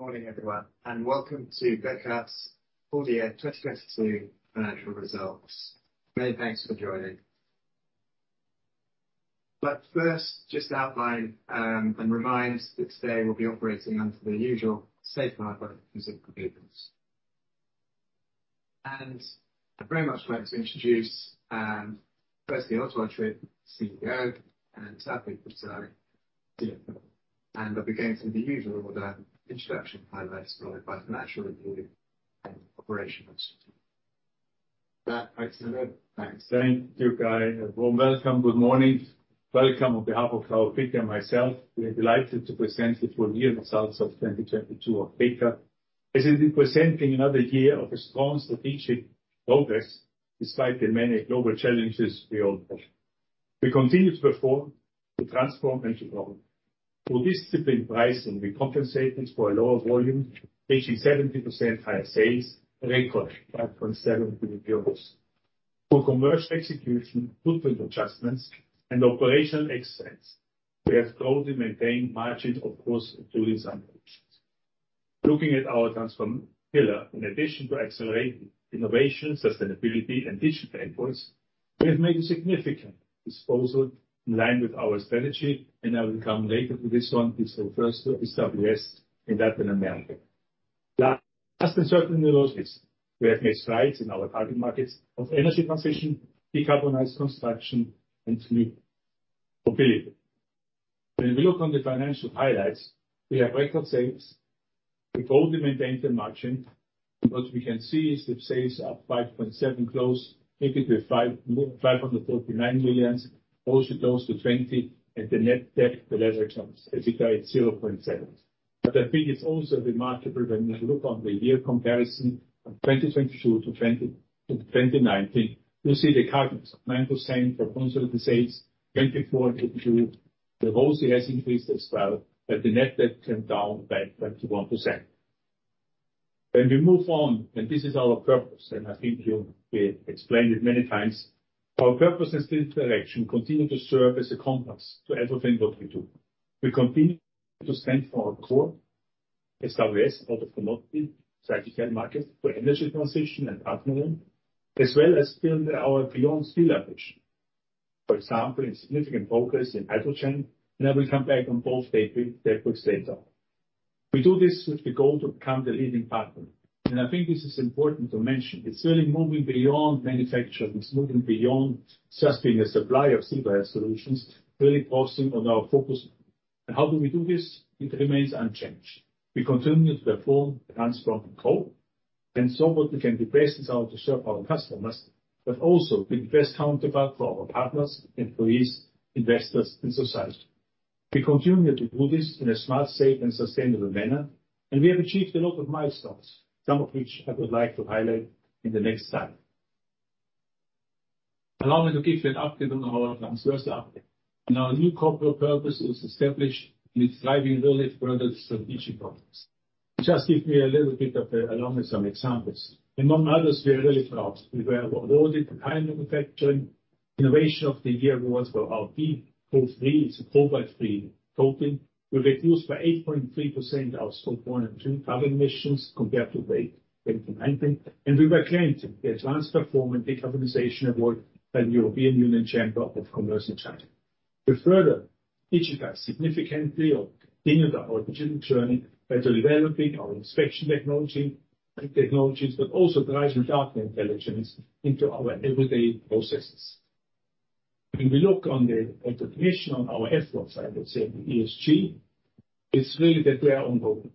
Morning everyone, welcome to Bekaert's Full-Year 2022 financial results. Many thanks for joining. First, just to outline and remind that today we'll be operating under the usual safe harbor for future statements. I'd very much like to introduce, firstly Oswald Schmid, CEO, and Taoufiq Boussaid, CFO. I begin to the usual with an introduction highlights followed by financial review and operational. Thanks. Thank you, Guy. A warm welcome. Good morning. Welcome on behalf of our Peter and myself, we are delighted to present the full-year results of 2022 of Bekaert. As we'll be presenting another year of strong strategic progress despite the many global challenges we all face. We continue to perform to transform and to grow. Through disciplined pricing, we compensated for a lower volume, reaching 70% higher sales, a record EUR 5.7 billion. Through commercial execution, footprint adjustments and operational excellence, we have closely maintained margins across all these operations. Looking at our transform pillar, in addition to accelerating innovation, sustainability, and digital efforts, we have made a significant disposal in line with our strategy. I will come later to this one. This refers to SWS in Latin America. Last but certainly not least, we have made strides in our target markets of energy transition, decarbonized construction, and steel mobility. When we look on the financial highlights, we have record sales. We've only maintained the margin. What we can see is the sales up 5.7% close, maybe to 549 million, also close to 20%. The net debt to leverage comes as you can at 0.7. I think it's also remarkable when you look on the year comparison from 2022-2019, you see the current 9% of consolidated sales, 24%-22%. The ROCE has increased as well, but the net debt came down by 21%. When we move on, this is our purpose, and I think we explained it many times. Our purpose and strategic direction continue to serve as a compass to everything that we do. We continue to stand for our core SWS, auto components, cyclical markets for energy transition and other room, as well as build our beyond steel approach. For example, in significant focus in hydrogen, and I will come back on both topics later. We do this with the goal to become the leading partner, and I think this is important to mention. It's really moving beyond manufacturing. It's moving beyond just being a supplier of Steel Wire Solutions, really focusing on our focus. How do we do this? It remains unchanged. We continue to perform, transform and grow and so that we can be best how to serve our customers, but also be the best counterpart for our partners, employees, investors and society. We continue to do this in a smart, safe and sustainable manner, and we have achieved a lot of milestones, some of which I would like to highlight in the next slide. Allow me to give you an update on our transformation update. Our new corporate purpose was established in driving realistic product strategic progress. Just give me a little bit of, allow me some examples. Among others, we are really proud we were awarded the Tire Manufacturing Innovation of the Year awards for our P Pro3. It's a cobalt-free coating. We reduced by 8.3% our Scope 1 and 2 carbon emissions compared to late 2019. We were granted the Advanced Performance Decarbonization Award by the European Union Chamber of Commerce in China. We further digitized significantly or continued our digital journey by developing our inspection technologies, but also driving data intelligence into our everyday processes. When we look on the recognition on our efforts, I would say ESG, it's really that we are on board.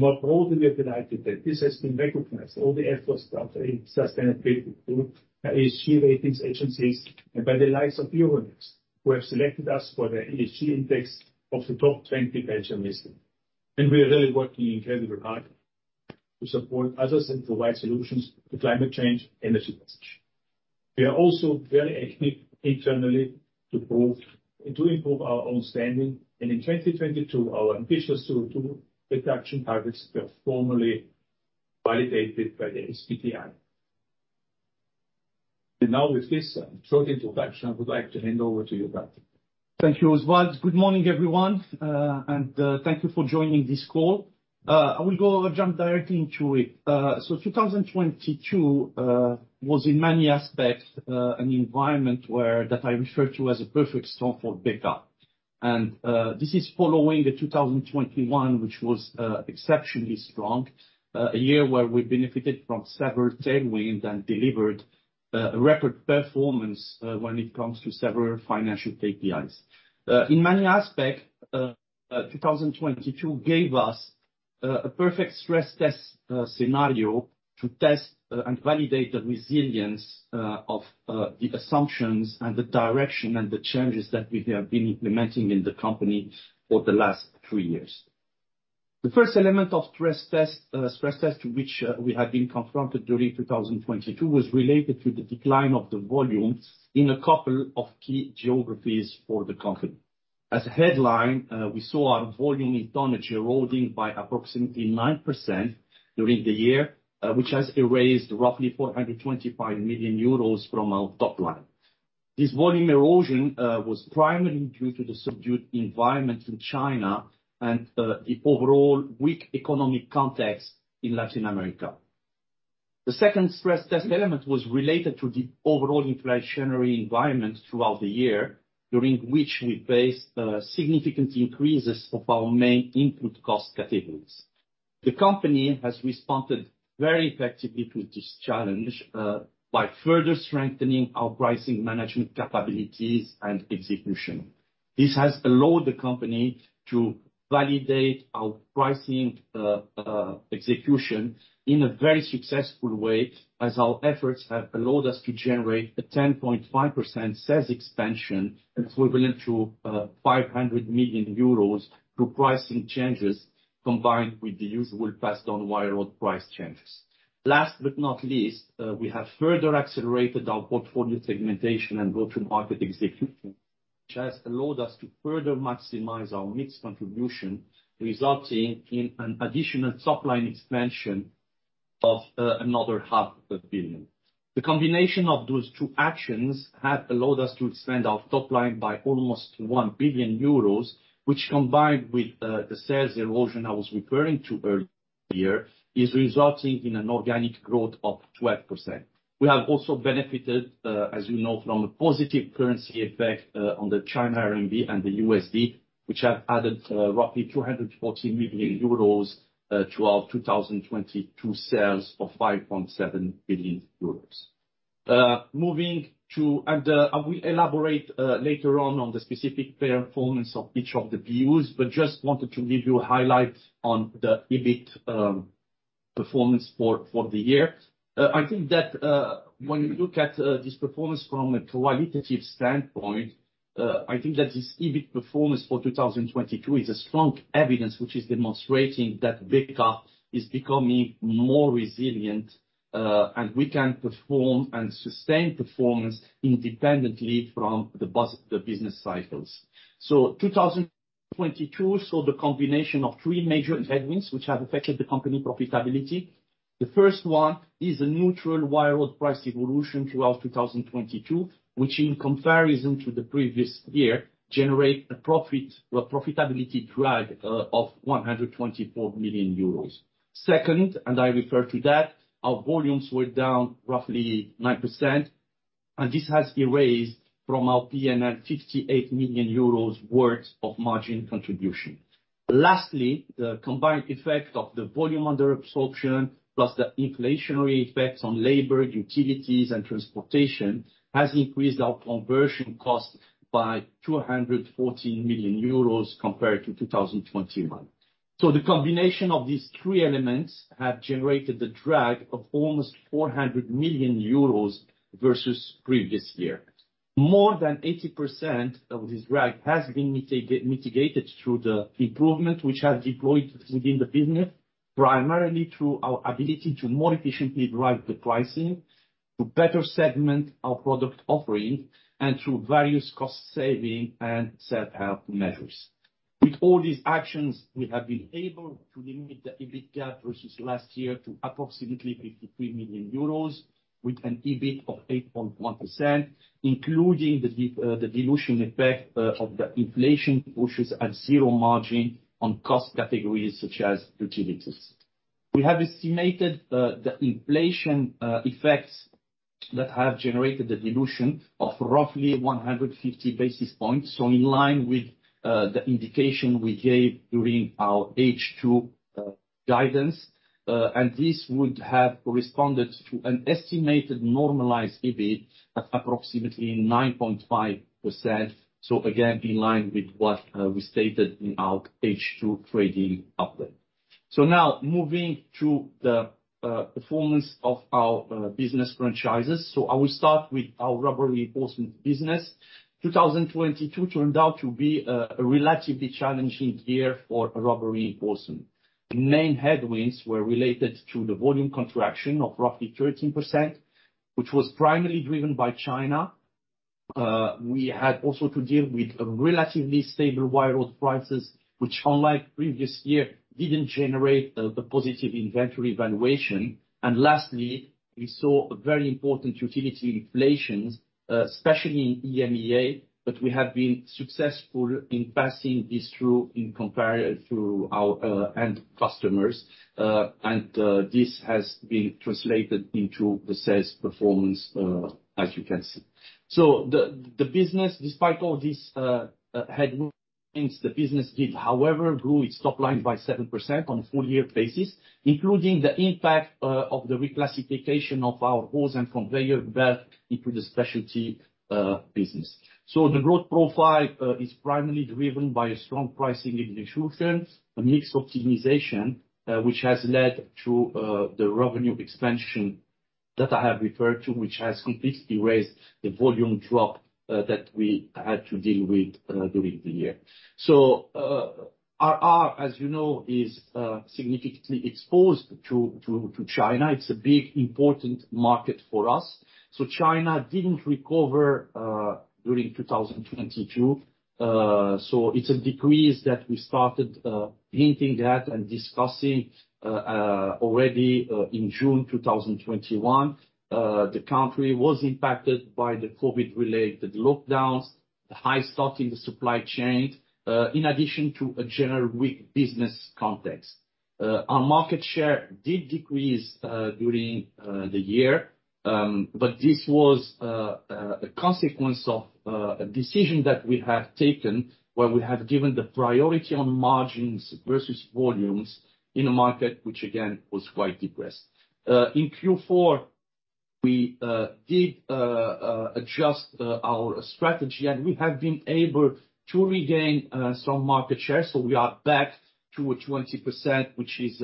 More broadly, we are delighted that this has been recognized all the efforts by sustainability group, ESG ratings agencies and by the likes of Euronext, who have selected us for their ESG index of the top 20 Belgian listed. We are really working incredibly hard to support others and provide solutions to climate change, energy passage. We are also very active internally to prove and to improve our own standing. In 2022, our ambitious CO2 reduction targets were formally validated by the SBTi. Now with this short introduction, I would like to hand over to you, Patrick. Thank you, Oswald. Good morning, everyone, thank you for joining this call. I will go jump directly into it. 2022 was in many aspects an environment where that I refer to as a perfect storm for Bekaert. This is following the 2021, which was exceptionally strong. A year where we benefited from several tailwinds and delivered a record performance when it comes to several financial KPIs. In many aspect, 2022 gave us a perfect stress test scenario to test and validate the resilience of the assumptions and the direction and the changes that we have been implementing in the company for the last three years. The first element of stress test, which we have been confronted during 2022, was related to the decline of the volume in a couple of key geographies for the company. As a headline, we saw our volume in tonnage eroding by approximately 9% during the year, which has erased roughly 425 million euros from our top line. This volume erosion was primarily due to the subdued environment in China and the overall weak economic context in Latin America. The second stress test element was related to the overall inflationary environment throughout the year, during which we faced significant increases of our main input cost categories. The company has responded very effectively to this challenge by further strengthening our pricing management capabilities and execution. This has allowed the company to validate our pricing execution in a very successful way as our efforts have allowed us to generate a 10.5% sales expansion, equivalent to 500 million euros through pricing changes, combined with the usual passed on wire rod price changes. Last but not least, we have further accelerated our portfolio segmentation and go-to-market execution, which has allowed us to further maximize our mix contribution, resulting in an additional top-line expansion of another € 500,000. The combination of those two actions have allowed us to expand our top line by almost 1 billion euros, which, combined with the sales erosion I was referring to earlier, is resulting in an organic growth of 12%. We have also benefited, as you know, from a positive currency effect on the China RMB and the USD, which have added roughly 214 million euros to our 2022 sales of 5.7 billion euros. I will elaborate later on the specific performance of each of the views, but just wanted to give you a highlight on the EBIT performance for the year. I think that when you look at this performance from a qualitative standpoint, I think that this EBIT performance for 2022 is a strong evidence, which is demonstrating that Bekaert is becoming more resilient, and we can perform and sustain performance independently from the business cycles. 2022 saw the combination of three major headwinds which have affected the company profitability. The first one is a neutral wire rod price evolution throughout 2022, which, in comparison to the previous year, generate a profit with profitability drag of 124 million euros. Second, and I refer to that, our volumes were down roughly 9%, and this has erased from our PNL 58 million euros worth of margin contribution. Lastly, the combined effect of the volume under absorption plus the inflationary effects on labor, utilities, and transportation has increased our conversion cost by 214 million euros compared to 2021. The combination of these three elements have generated a drag of almost 400 million euros versus previous year. More than 80% of this drag has been mitigated through the improvement which has deployed within the business, primarily through our ability to more efficiently drive the pricing, to better segment our product offering, and through various cost saving and self-help measures. With all these actions, we have been able to limit the EBIT gap versus last year to approximately 53 million euros with an EBIT of 8.1%, including the dilution effect of the inflation pushes at zero margin on cost categories such as utilities. We have estimated the inflation effects that have generated a dilution of roughly 150 basis points. In line with the indication we gave during our H2 guidance, this would have corresponded to an estimated normalized EBIT at approximately 9.5%. Again, in line with what we stated in our H2 trading update. Now moving to the performance of our business franchises. I will start with our Rubber Reinforcement business. 2022 turned out to be a relatively challenging year for Rubber Reinforcement. The main headwinds were related to the volume contraction of roughly 13%, which was primarily driven by China. We had also to deal with relatively stable wire rod prices, which unlike previous year, didn't generate the positive inventory valuation. Lastly, we saw a very important utility inflation, especially in EMEA, but we have been successful in passing this through our end customers, this has been translated into the sales performance, as you can see. The business, despite all these headwinds, the business did, however, grew its top line by 7% on a full-year basis, including the impact of the reclassification of our Hose and Conveyor Belt into the Specialty Businesses. The growth profile is primarily driven by a strong pricing execution, a mix optimization, which has led to the revenue expansion that I have referred to, which has completely erased the volume drop that we had to deal with during the year. RR, as you know, is significantly exposed to China. It's a big, important market for us. China didn't recover during 2022. It's a decrease that we started hinting at and discussing already in June 2021. The country was impacted by the COVID-related lockdowns, the high stock in the supply chain, in addition to a general weak business context. Our market share did decrease during the year, but this was a consequence of a decision that we have taken where we have given the priority on margins versus volumes in a market which again was quite depressed. In Q4, we did adjust our strategy, and we have been able to regain some market share. We are back to a 20%, which is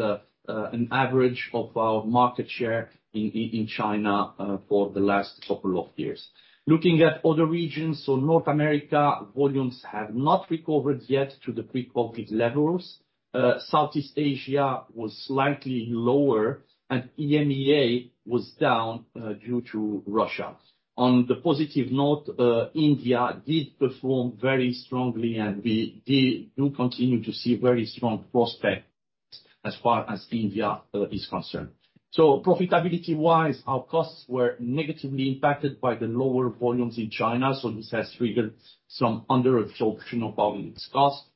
an average of our market share in China for the last couple of years. Looking at other regions, North America, volumes have not recovered yet to the pre-COVID levels. Southeast Asia was slightly lower, and EMEA was down due to Russia. On the positive note, India did perform very strongly, we do continue to see very strong prospects as far as India is concerned. Profitability-wise, our costs were negatively impacted by the lower volumes in China, this has triggered some underabsorption of volumes costs.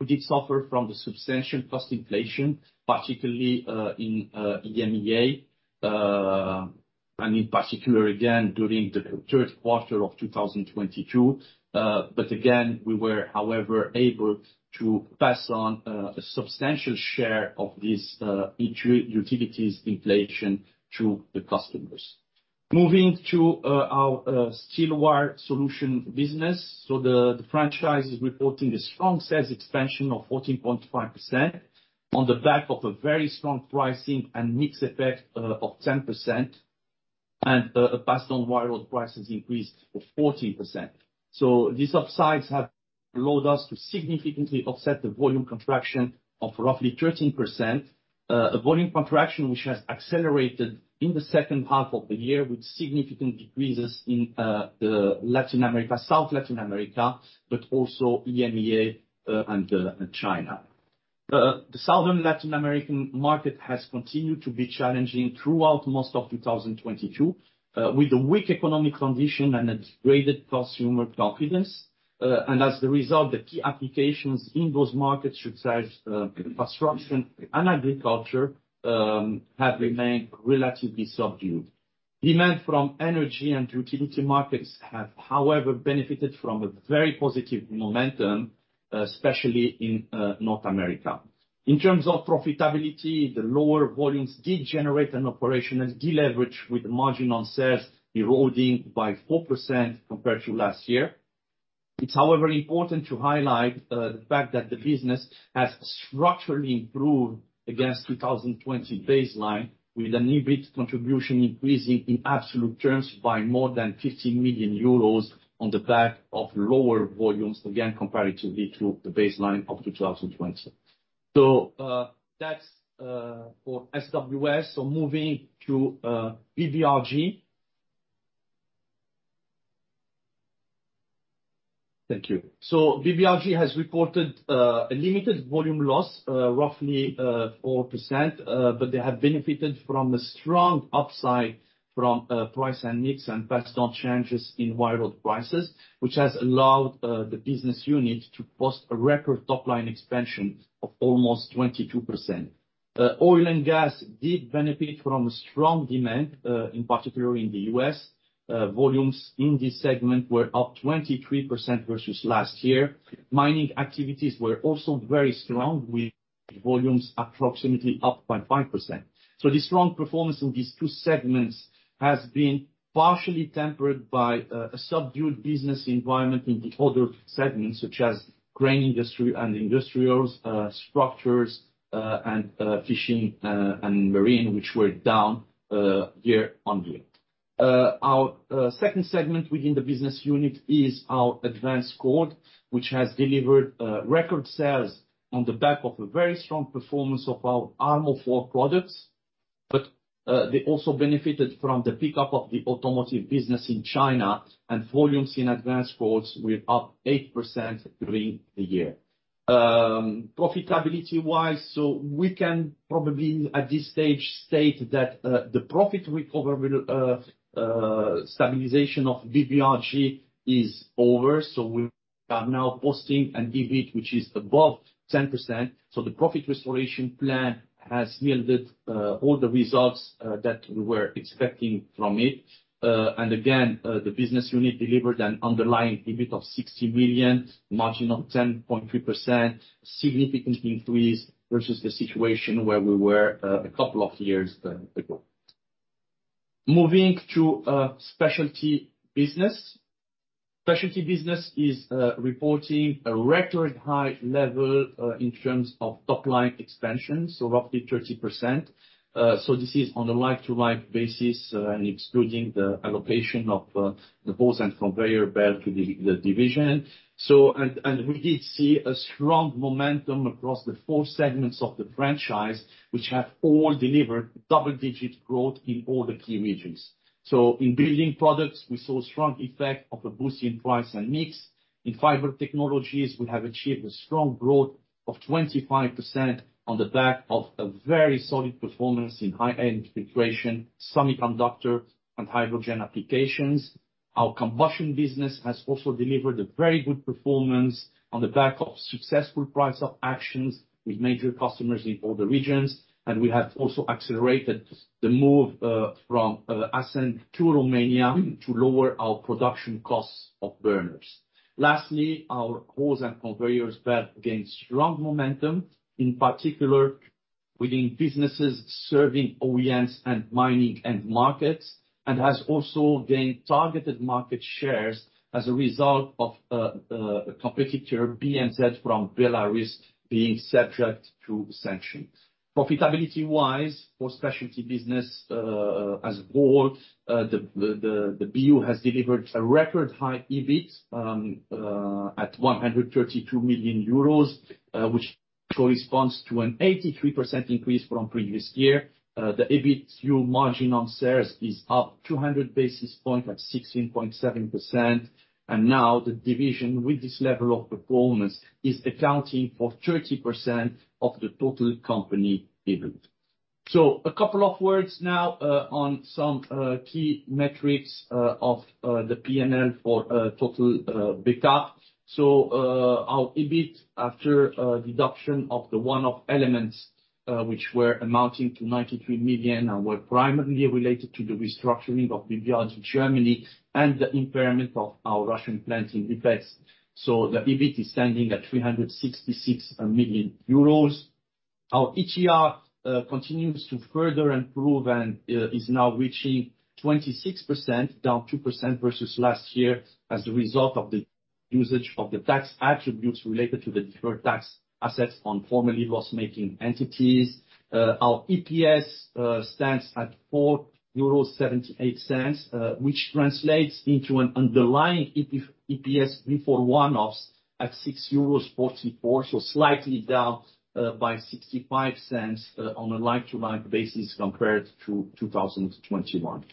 We did suffer from the substantial cost inflation, particularly in EMEA, and in particular again during the third quarter of 2022. Again, we were, however, able to pass on a substantial share of this utilities inflation to the customers. Moving to our Steel Wire Solutions business. The franchise is reporting a strong sales expansion of 14.5% on the back of a very strong pricing and mix effect of 10% and a passed on wire rod prices increase of 14%. These upsides have allowed us to significantly offset the volume contraction of roughly 13%. A volume contraction which has accelerated in the second half of the year with significant decreases in Latin America, South Latin America, but also EMEA, and China. The Southern Latin American market has continued to be challenging throughout most of 2022, with a weak economic condition and a degraded consumer confidence. As a result, the key applications in those markets such as construction and agriculture, have remained relatively subdued. Demand from energy and utility markets have, however, benefited from a very positive momentum, especially in North America. In terms of profitability, the lower volumes did generate an operational deleverage with margin on sales eroding by 4% compared to last year. It's however important to highlight the fact that the business has structurally improved against 2020 baseline, with an EBIT contribution increasing in absolute terms by more than 50 million euros on the back of lower volumes, again, compared to the baseline of 2020. That's for SWS. Moving to BBRG. Thank you. BBRG has reported a limited volume loss, roughly 4%, but they have benefited from a strong upside from price and mix and passed on changes in wire rod prices, which has allowed the business unit to post a record top-line expansion of almost 22%. Oil and gas did benefit from strong demand in particular in the U.S. Volumes in this segment were up 23% versus last year. Mining activities were also very strong, with volumes approximately up by 5%. The strong performance in these two segments has been partially tempered by a subdued business environment in the other segments, such as grain industry and industrials, structures, and fishing, and marine, which were down year-over-year. Our second segment within the business unit is our Advanced Cords, which has delivered record sales on the back of a very strong performance of our armoring wire products. They also benefited from the pickup of the automotive business in China, and volumes in Advanced Cords were up 8% during the year. Profitability-wise, we can probably, at this stage, state that the profit stabilization of BBRG is over, so we are now posting an EBIT which is above 10%. The profit restoration plan has yielded all the results that we were expecting from it. Again, the business unit delivered an underlying EBIT of 60 million, margin of 10.3%, significant increase versus the situation where we were a couple of years ago. Moving to Specialty Business. Specialty Business is reporting a record high level in terms of top-line expansion, roughly 30%. This is on a like-to-like basis, and excluding the allocation of the Hose and Conveyor Belt to the division. We did see a strong momentum across the four segments of the franchise, which have all delivered double-digit growth in all the key regions. In Building Products, we saw strong effect of a boost in price and mix. In Fiber Technologies, we have achieved a strong growth of 25% on the back of a very solid performance in high-end filtration, semiconductor, and hydrogen applications. Our combustion business has also delivered a very good performance on the back of successful price of actions with major customers in all the regions. We have also accelerated the move from Assen to Romania to lower our production costs of burners. Lastly, our Hose and Conveyor Belt gained strong momentum, in particular within businesses serving OEMs and mining end markets, and has also gained targeted market shares as a result of a competitor, BMZ, from Belarus being subject to sanctions. Profitability-wise, for Specialty Businesses as a whole, the BU has delivered a record high EBIT at 132 million euros, which corresponds to an 83% increase from previous year. The EBIT yield margin on sales is up 200 basis points at 16.7%, and now the division with this level of performance is accounting for 30% of the total company EBIT. A couple of words now on some key metrics of the PNL for total Bekaert. Our EBIT after deduction of the one-off elements, which were amounting to 93 million and were primarily related to the restructuring of BBL in Germany and the impairment of our Russian plants in effects. The EBIT is standing at 366 million euros. Our ATR continues to further improve and is now reaching 26%, down 2% versus last year as a result of the usage of the tax attributes related to the deferred tax assets on formerly loss-making entities. Our EPS stands at 4.78 euros, which translates into an underlying EPS before one-offs at 6.44 euros, so slightly down by 0.65 on a like-to-like basis compared to 2021.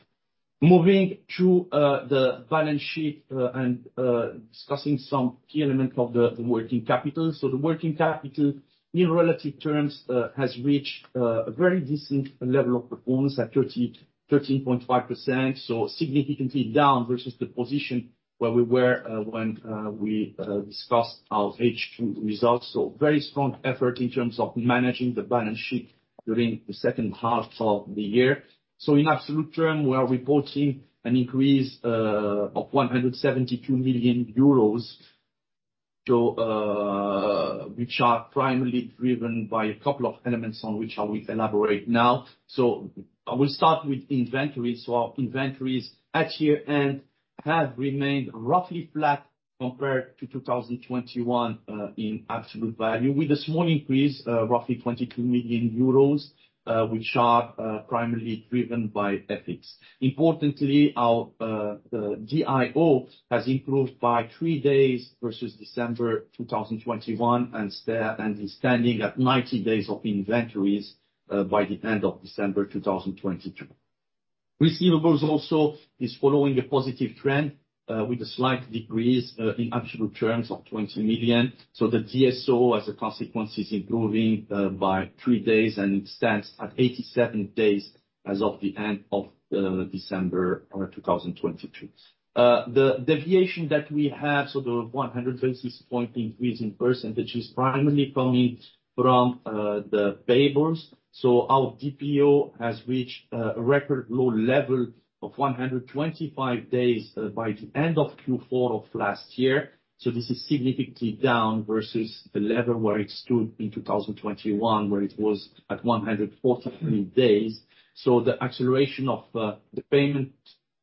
Moving to the balance sheet and discussing some key elements of the working capital. The working capital in relative terms has reached a very decent level of performance at 13.5%, so significantly down versus the position where we were when we discussed our H2 results. Very strong effort in terms of managing the balance sheet during the second half of the year. In absolute term, we are reporting an increase of 172 million euros to, which are primarily driven by a couple of elements on which I will elaborate now. I will start with inventory. Our inventories at year-end have remained roughly flat compared to 2021 in absolute value, with a small increase, roughly 22 million euros, which are primarily driven by FX. Importantly, our DIO has improved by three days versus December 2021 and is standing at 90 days of inventories by the end of December 2022. Receivables also is following a positive trend, with a slight decrease in absolute terms of 20 million. The DSO as a consequence is improving by three days and stands at 87 days as of the end of December of 2022. The deviation that we have, so the 100 basis point increase in percentage is primarily coming from the payables. Our DPO has reached a record low level of 125 days by the end of Q4 of last year. This is significantly down versus the level where it stood in 2021, where it was at 143 days. The acceleration of the payment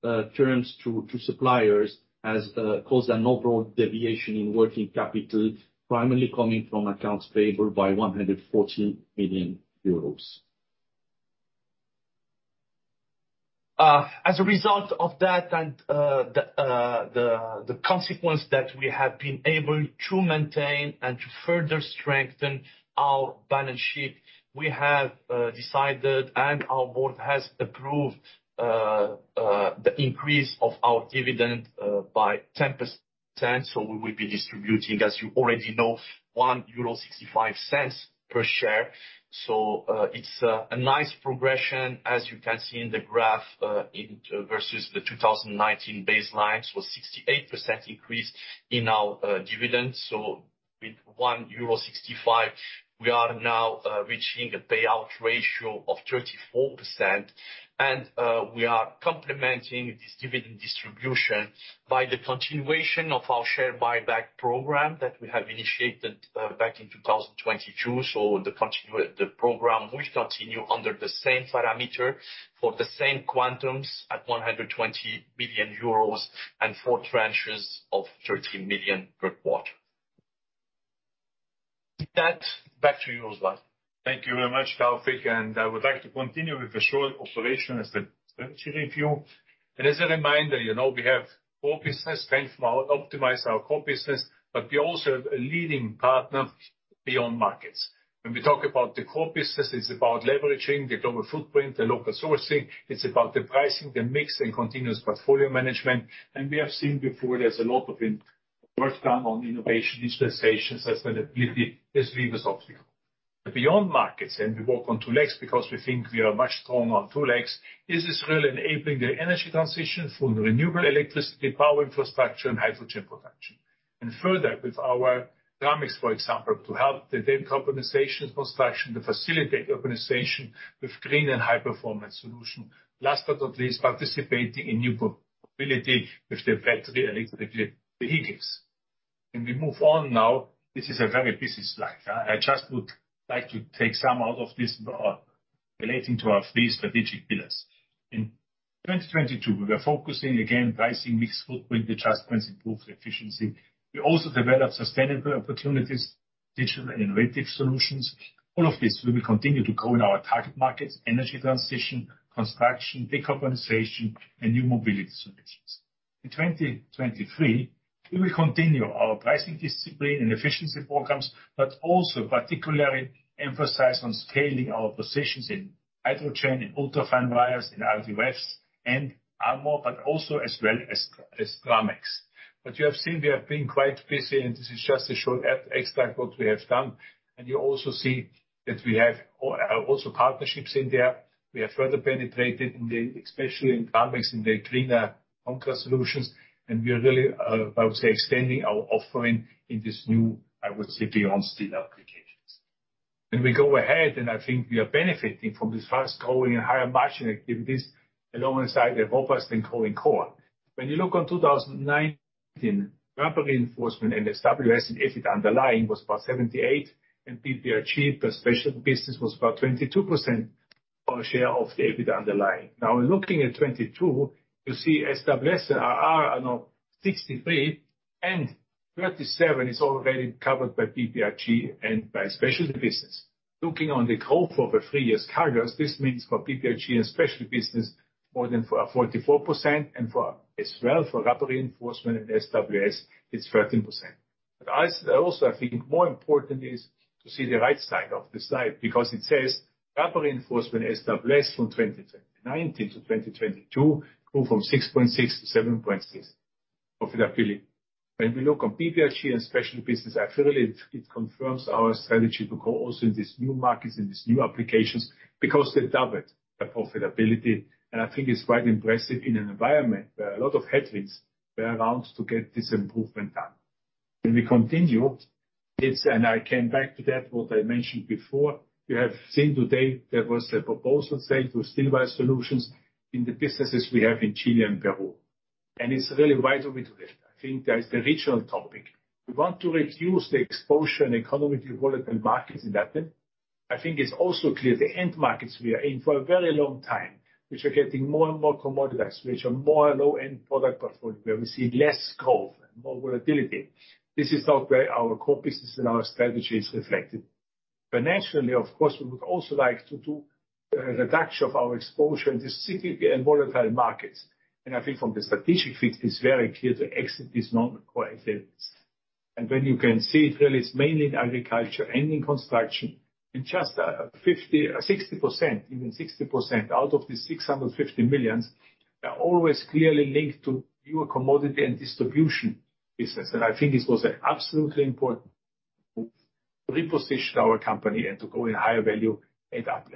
terms to suppliers has caused an overall deviation in working capital, primarily coming from accounts payable by 114 million euros. As a result of that and the consequence that we have been able to maintain and to further strengthen our balance sheet, we have decided and our board has approved the increase of our dividend by 10%. We will be distributing as you already know 1.65 euro per share. It's a nice progression as you can see in the graph versus the 2019 baseline. 68% increase in our dividend. With 1.65 euro, we are now reaching a payout ratio of 34%. We are complementing this dividend distribution by the continuation of our share buyback program that we have initiated back in 2022. The program will continue under the same parameter for the same quantums at 120 million euros and four tranches of 30 million per quarter. With that, back to you, Oswald. Thank you very much, Taoufik, I would like to continue with the short operation and strategic review. As a reminder, you know, we have core business strength from our optimized core business, but we also have a leading partner beyond markets. When we talk about the core business, it's about leveraging the global footprint, the local sourcing. It's about the pricing, the mix, and continuous portfolio management. We have seen before there's a lot of work done on innovation, dispensations, sustainability, as we just observed. Beyond markets, and we walk on two legs because we think we are much strong on two legs, is this really enabling the energy transition for renewable electricity, power infrastructure, and hydrogen production. Further, with our ceramics, for example, to help the decarbonization construction to facilitate urbanization with green and high performance solution. Last but not least, participating in new mobility with the battery electric vehicles. When we move on now, this is a very busy slide. I just would like to take some out of this relating to our three strategic pillars. In 2022, we are focusing again pricing, mix, footprint adjustments, improve efficiency. We also develop sustainable opportunities, digitalization and innovative solutions. All of this will continue to grow in our target markets, energy transition, construction, decarbonization, and new mobility solutions. In 2023, we will continue our pricing discipline and efficiency programs, but also particularly emphasize on scaling our positions in HydroChain and ultra-fine wires in RDWs and Armor, as well as Dramix. You have seen we have been quite busy, and this is just to show extract what we have done. You also see that we have also partnerships in there. We have further penetrated in especially in Dramix, in the cleaner concrete solutions, and we are really, I would say, extending our offering in this new, I would say, beyond steel applications. When we go ahead, and I think we are benefiting from this fast-growing and higher margin activities alongside a robust and growing core. When you look on 2019, Rubber Reinforcement and SWS and EBIT underlying was about 78%, and PPRG plus Specialty Business was about 22% our share of the EBIT underlying. Now looking at 2022, you see SWS are now 63% and 37% is already covered by PPRG and by Specialty Business. Looking on the growth over three years carriers, this means for PPRG and Specialty Business more than 44% and for SWS, for Rubber Reinforcement and SWS, it's 13%. Also, I think more important is to see the right side of the slide because it says Rubber Reinforcement SWS from 2019-2022 grew from 6.6-7.6 profitability. When we look on PPRG and Specialty Business, I feel it confirms our strategy to go also in these new markets, in these new applications because they double the profitability. I think it's quite impressive in an environment where a lot of headwinds were around to get this improvement done. When we continue this, and I came back to that, what I mentioned before, you have seen today there was a proposal sale to Steel Wire Solutions in the businesses we have in Chile and Peru. It's a really wise way to do it. I think that is the regional topic. We want to reduce the exposure in economically volatile markets in Latin. I think it's also clear the end markets we are in for a very long time, which are getting more and more commoditized, which are more low-end product portfolio where we see less growth and more volatility. This is not where our core business and our strategy is reflected. Financially, of course, we would also like to do a reduction of our exposure in these cyclical and volatile markets. I think from the strategic fit, it's very clear to exit these non-core activities. When you can see it really is mainly in agriculture and in construction. In just 60%, even 60% out of the 650 million are always clearly linked to newer commodity and distribution business. I think this was absolutely important to reposition our company and to go in higher value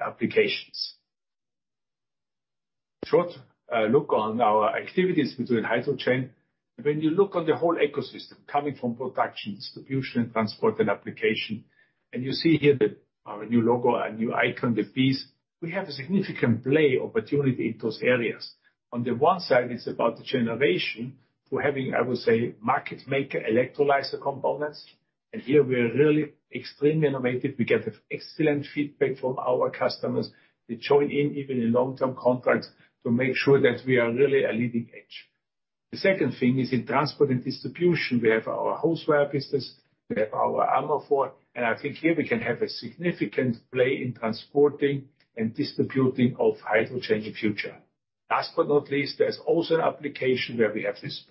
applications. Short, look on our activities within Hydrochain. When you look on the whole ecosystem coming from production, distribution, transport, and application, and you see here that our new logo, our new icon, the piece, we have a significant play opportunity in those areas. On the one side, it's about the generation to having, I would say, market maker electrolyzer components. Here we are really extremely innovative. We get excellent feedback from our customers. They join in even in long-term contracts to make sure that we are really a leading edge. The second thing is in transport and distribution. We have our hose wire business. We have our Armofor. I think here we can have a significant play in transporting and distributing of Hydrochain in future. Last but not least, there's also an application where we have this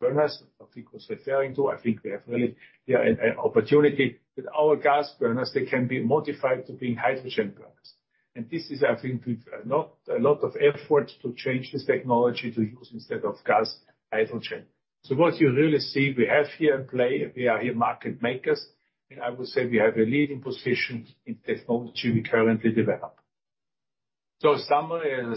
burners, what Niko was referring to. I think we have really an opportunity with our gas burners. They can be modified to being HydroChain burners. This is, I think, with a lot of effort to change this technology to use instead of gas, HydroChain. What you really see we have here in play, we are here market makers, and I would say we have a leading position in technology we currently develop. Summary and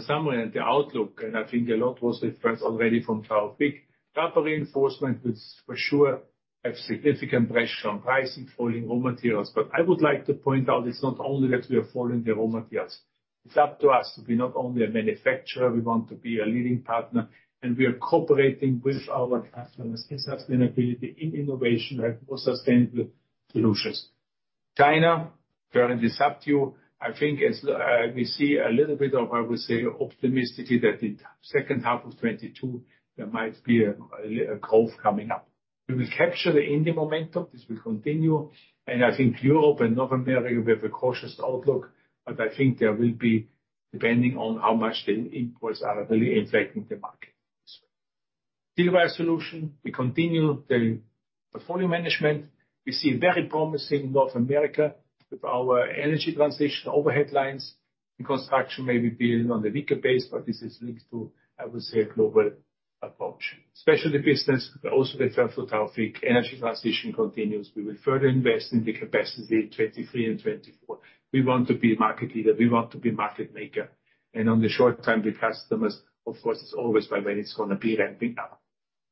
the outlook, and I think a lot was referenced already from Taoufik. Rubber Reinforcement is for sure have significant pressure on pricing, falling raw materials. I would like to point out it's not only that we are falling the raw materials, it's up to us to be not only a manufacturer, we want to be a leading partner, and we are cooperating with our customers in sustainability, in innovation, more sustainable solutions. China, currently subdued. I think as we see a little bit of, I would say, optimistically that the second half of 2022 there might be a growth coming up. We will capture the India momentum. This will continue. I think Europe and North America, we have a cautious outlook, but I think there will be depending on how much the imports are really affecting the market as well. Steel Wire Solutions, we continue the portfolio management. We see very promising North America with our energy transition overhead lines. The construction may be building on the weaker base, this is linked to, I would say, a global approach. Specialty Businesses, also referred to Taoufik, energy transition continues. We will further invest in the capacity in 2023 and 2024. We want to be market leader, we want to be market maker. On the short term, the customers, of course, it's always by when it's going to be ramping up.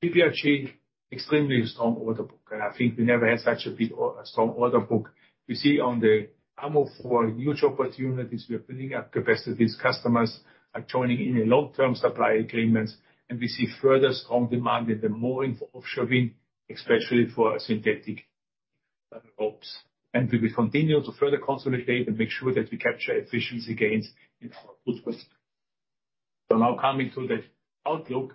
PPRG, extremely strong order book, and I think we never had such a big or a strong order book. We see on the Armofor huge opportunities. We are building up capacities. Customers are joining in the long-term supply agreements, and we see further strong demand in the more in offshoring, especially for synthetic ropes. We will continue to further consolidate and make sure that we capture efficiency gains in our good position. Now coming to the outlook,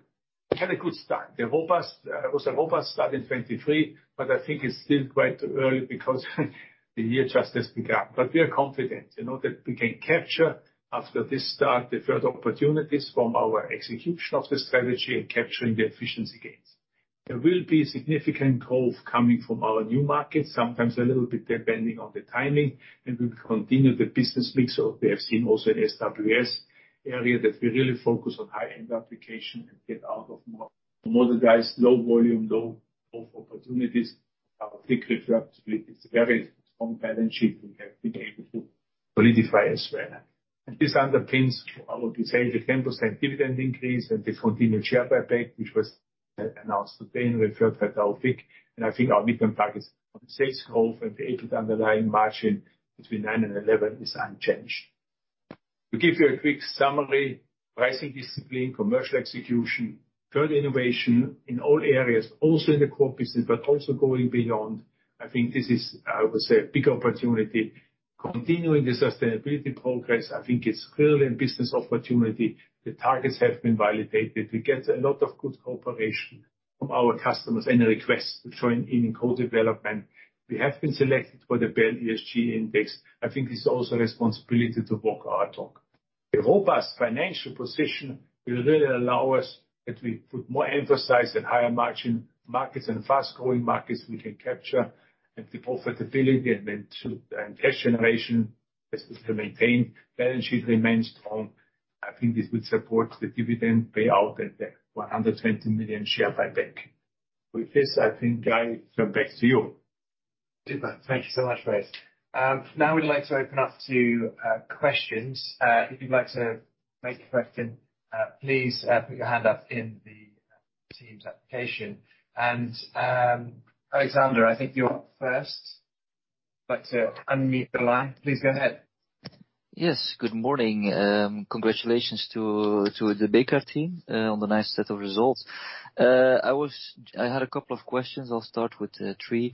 we had a good start. The robust It was a robust start in 2023, but I think it's still quite early because the year just has begun. We are confident, you know, that we can capture after this start, the further opportunities from our execution of the strategy and capturing the efficiency gains. There will be significant growth coming from our new markets, sometimes a little bit depending on the timing, and we will continue the business mix of we have seen also in SWS area, that we really focus on high-end application and get out of more commoditized low volume, low of opportunities. Our thick profitability is a very strong balance sheet we have been able to solidify as well. This underpins what we say, the 10% dividend increase and the continued share buyback, which was announced today and referred by Taoufik. I think our mid-term targets on sales growth and the EBIT underlying margin between 9 and 11 is unchanged. To give you a quick summary, pricing discipline, commercial execution, third, innovation in all areas, also in the core business, but also going beyond, I think this is a big opportunity. Continuing the sustainability progress, it's clearly a business opportunity. The targets have been validated. We get a lot of good cooperation from our customers and requests to join in co-development. We have been selected for the BEL ESG Index. It's also a responsibility to walk our talk. A robust financial position will really allow us that we put more emphasis at higher margin markets and fast-growing markets we can capture, and the profitability and cash generation is to maintain. Balance sheet remains strong. I think this will support the dividend payout at the 120 million share buyback. With this, I think, I turn back to you. Super. Thank you so much, guys. Now we'd like to open up to questions. If you'd like to make a question, please put your hand up in the Teams application. Alexander, I think you're first. Like to unmute the line. Please go ahead. Yes. Good morning. Congratulations to the Bekaert team on the nice set of results. I had a couple of questions. I'll start with 3.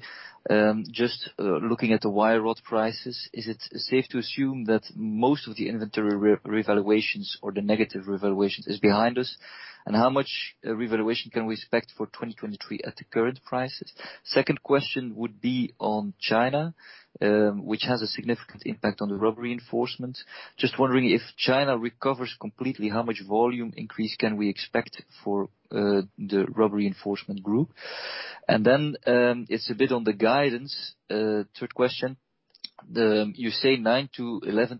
Just looking at the wire rod prices, is it safe to assume that most of the inventory revaluations or the negative revaluations is behind us? How much revaluation can we expect for 2023 at the current prices? Second question would be on China, which has a significant impact on the Rubber Reinforcement. Just wondering if China recovers completely, how much volume increase can we expect for the Rubber Reinforcement group? It's a bit on the guidance, third question. You say 9%-11%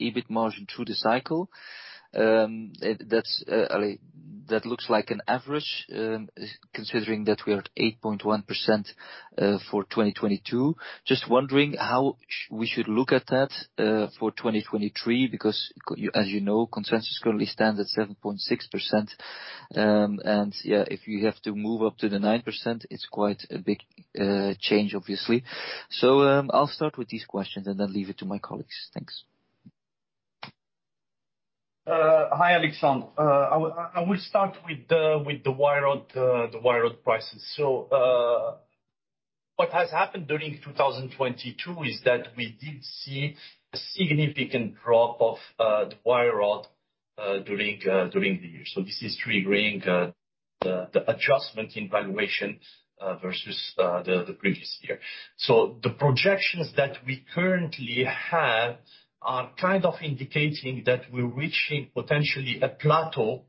EBIT margin through the cycle. That looks like an average, considering that we are at 8.1% for 2022. Just wondering how we should look at that for 2023, because as you know, consensus currently stands at 7.6%. Yeah, if you have to move up to the 9%, it's quite a big change, obviously. I'll start with these questions and then leave it to my colleagues. Thanks. Hi, Alexander. I will start with the wire rod prices. What has happened during 2022 is that we did see a significant drop of the wire rod during the year. This is really bringing the adjustment in valuation versus the previous year. The projections that we currently have are kind of indicating that we're reaching potentially a plateau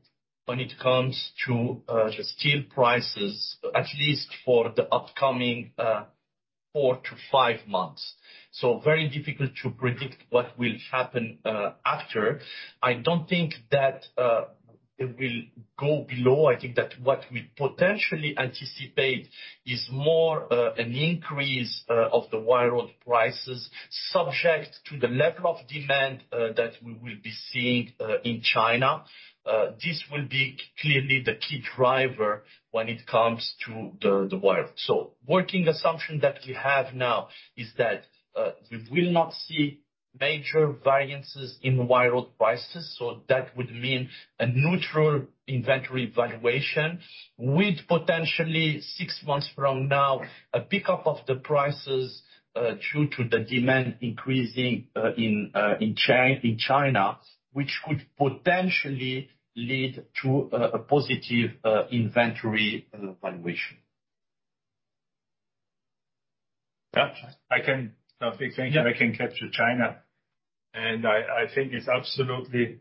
when it comes to the steel prices, at least for the upcoming 4 to 5 months. Very difficult to predict what will happen after. I don't think that it will go below. I think that what we potentially anticipate is more an increase of the wire rod prices subject to the level of demand that we will be seeing in China. This will be clearly the key driver when it comes to the wire. Working assumption that we have now is that we will not see major variances in wire rod prices, so that would mean a neutral inventory valuation with potentially six months from now, a pickup of the prices due to the demand increasing in China, which could potentially lead to a positive inventory valuation. Yeah. Thank you. Yeah. I can capture China. I think it's absolutely.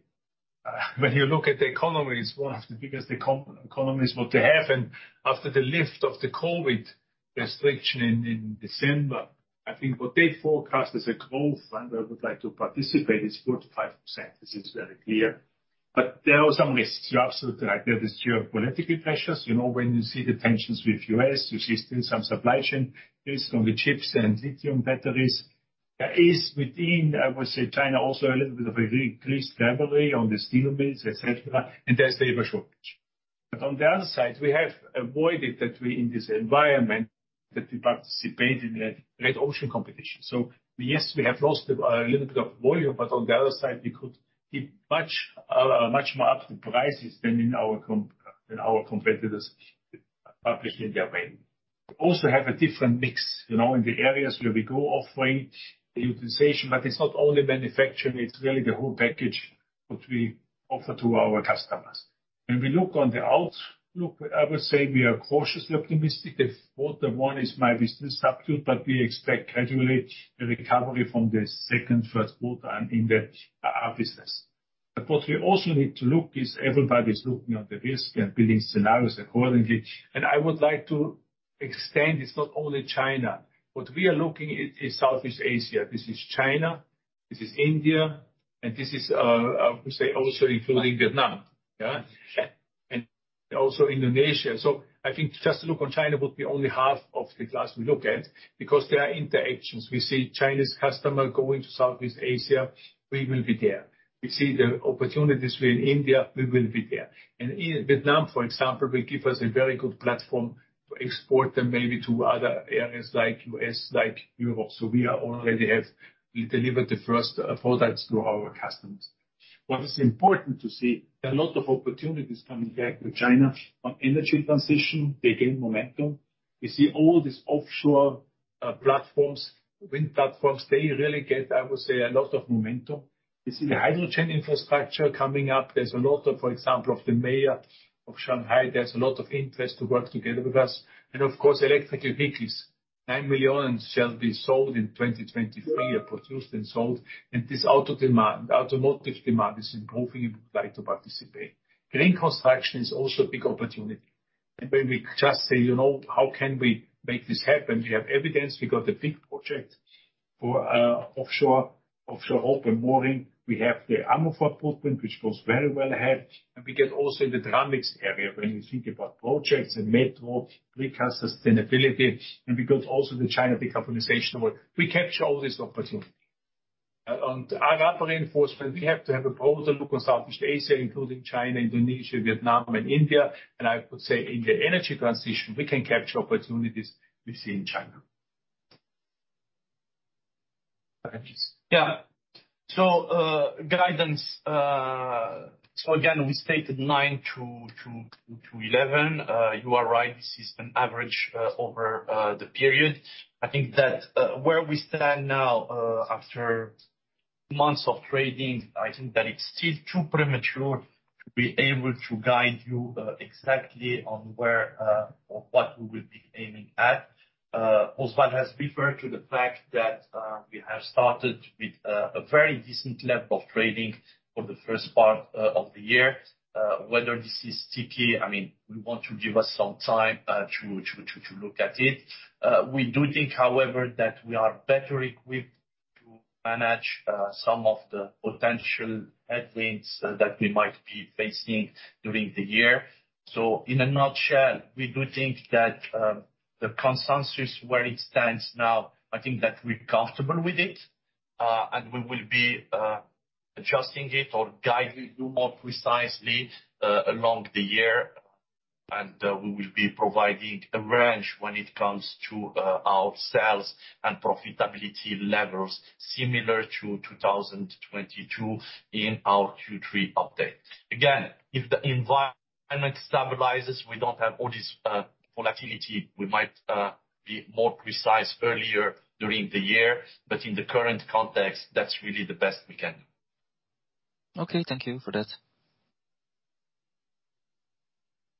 When you look at the economy, it's one of the biggest economies. What will happen after the lift of the COVID. Restriction in December. I think what they forecast as a growth, and I would like to participate, is 4%-5%. This is very clear. There are some risks. You're absolutely right. There is geopolitical pressures. You know, when you see the tensions with U.S., you see still some supply chain risk on the chips and lithium batteries. There is within, I would say, China also a little bit of a decreased recovery on the steel mills, et cetera, and there's labor shortage. On the other side, we have avoided that we, in this environment, that we participate in that great ocean competition. Yes, we have lost a little bit of volume, but on the other side, we could keep much marked prices than our competitors publish in their way. Also have a different mix, you know, in the areas where we go off range, the utilization. It's not only manufacturing, it's really the whole package which we offer to our customers. When we look on the outlook, I would say we are cautiously optimistic. Quarter one is maybe still subdued, but we expect gradually a recovery from the second, first quarter and in that our business. What we also need to look is everybody's looking at the risk and building scenarios accordingly. I would like to extend, it's not only China. What we are looking is Southeast Asia. This is China, this is India, and this is, we say also including Vietnam, yeah? Also Indonesia. I think just to look on China would be only half of the glass we look at because there are interactions. We see China's customer going to Southeast Asia, we will be there. We see the opportunities with India, we will be there. Vietnam, for example, will give us a very good platform to export them maybe to other areas like US, like Europe. We delivered the first products to our customers. What is important to see, there are a lot of opportunities coming back to China. On energy transition, they gain momentum. We see all these offshore platforms, wind platforms, they really get, I would say, a lot of momentum. We see the hydrogen infrastructure coming up. For example, of the mayor of Shanghai, there's a lot of interest to work together with us. Of course, electric vehicles. 9 million shall be sold in 2023, are produced and sold. This automotive demand is improving, and we would like to participate. Green construction is also a big opportunity. When we just say, "You know, how can we make this happen?" We have evidence, we got a big project for offshore open mooring. We have the Armofor blueprint, which goes very well ahead. We get also the Dramix area when we think about projects and metro, precast, sustainability. We got also the China decarbonization. We capture all this opportunity. On our reinforcement, we have to have a broader look on Southeast Asia, including China, Indonesia, Vietnam and India. I would say in the energy transition, we can capture opportunities we see in China. Yeah. Guidance, so again, we stated 9 to 11. You are right, this is an average over the period. I think that where we stand now, after months of trading, I think that it's still too premature to be able to guide you exactly on where or what we will be aiming at. Oswald has referred to the fact that we have started with a very decent level of trading for the first part of the year. Whether this is sticky, I mean, we want to give us some time to look at it. We do think, however, that we are better equipped to manage some of the potential headwinds that we might be facing during the year. In a nutshell, we do think that the consensus where it stands now, I think that we're comfortable with it, and we will be adjusting it or guiding you more precisely along the year. We will be providing a range when it comes to our sales and profitability levels similar to 2022 in our Q3 update. If the environment stabilizes, we don't have all this volatility, we might be more precise earlier during the year. In the current context, that's really the best we can do. Okay. Thank you for that.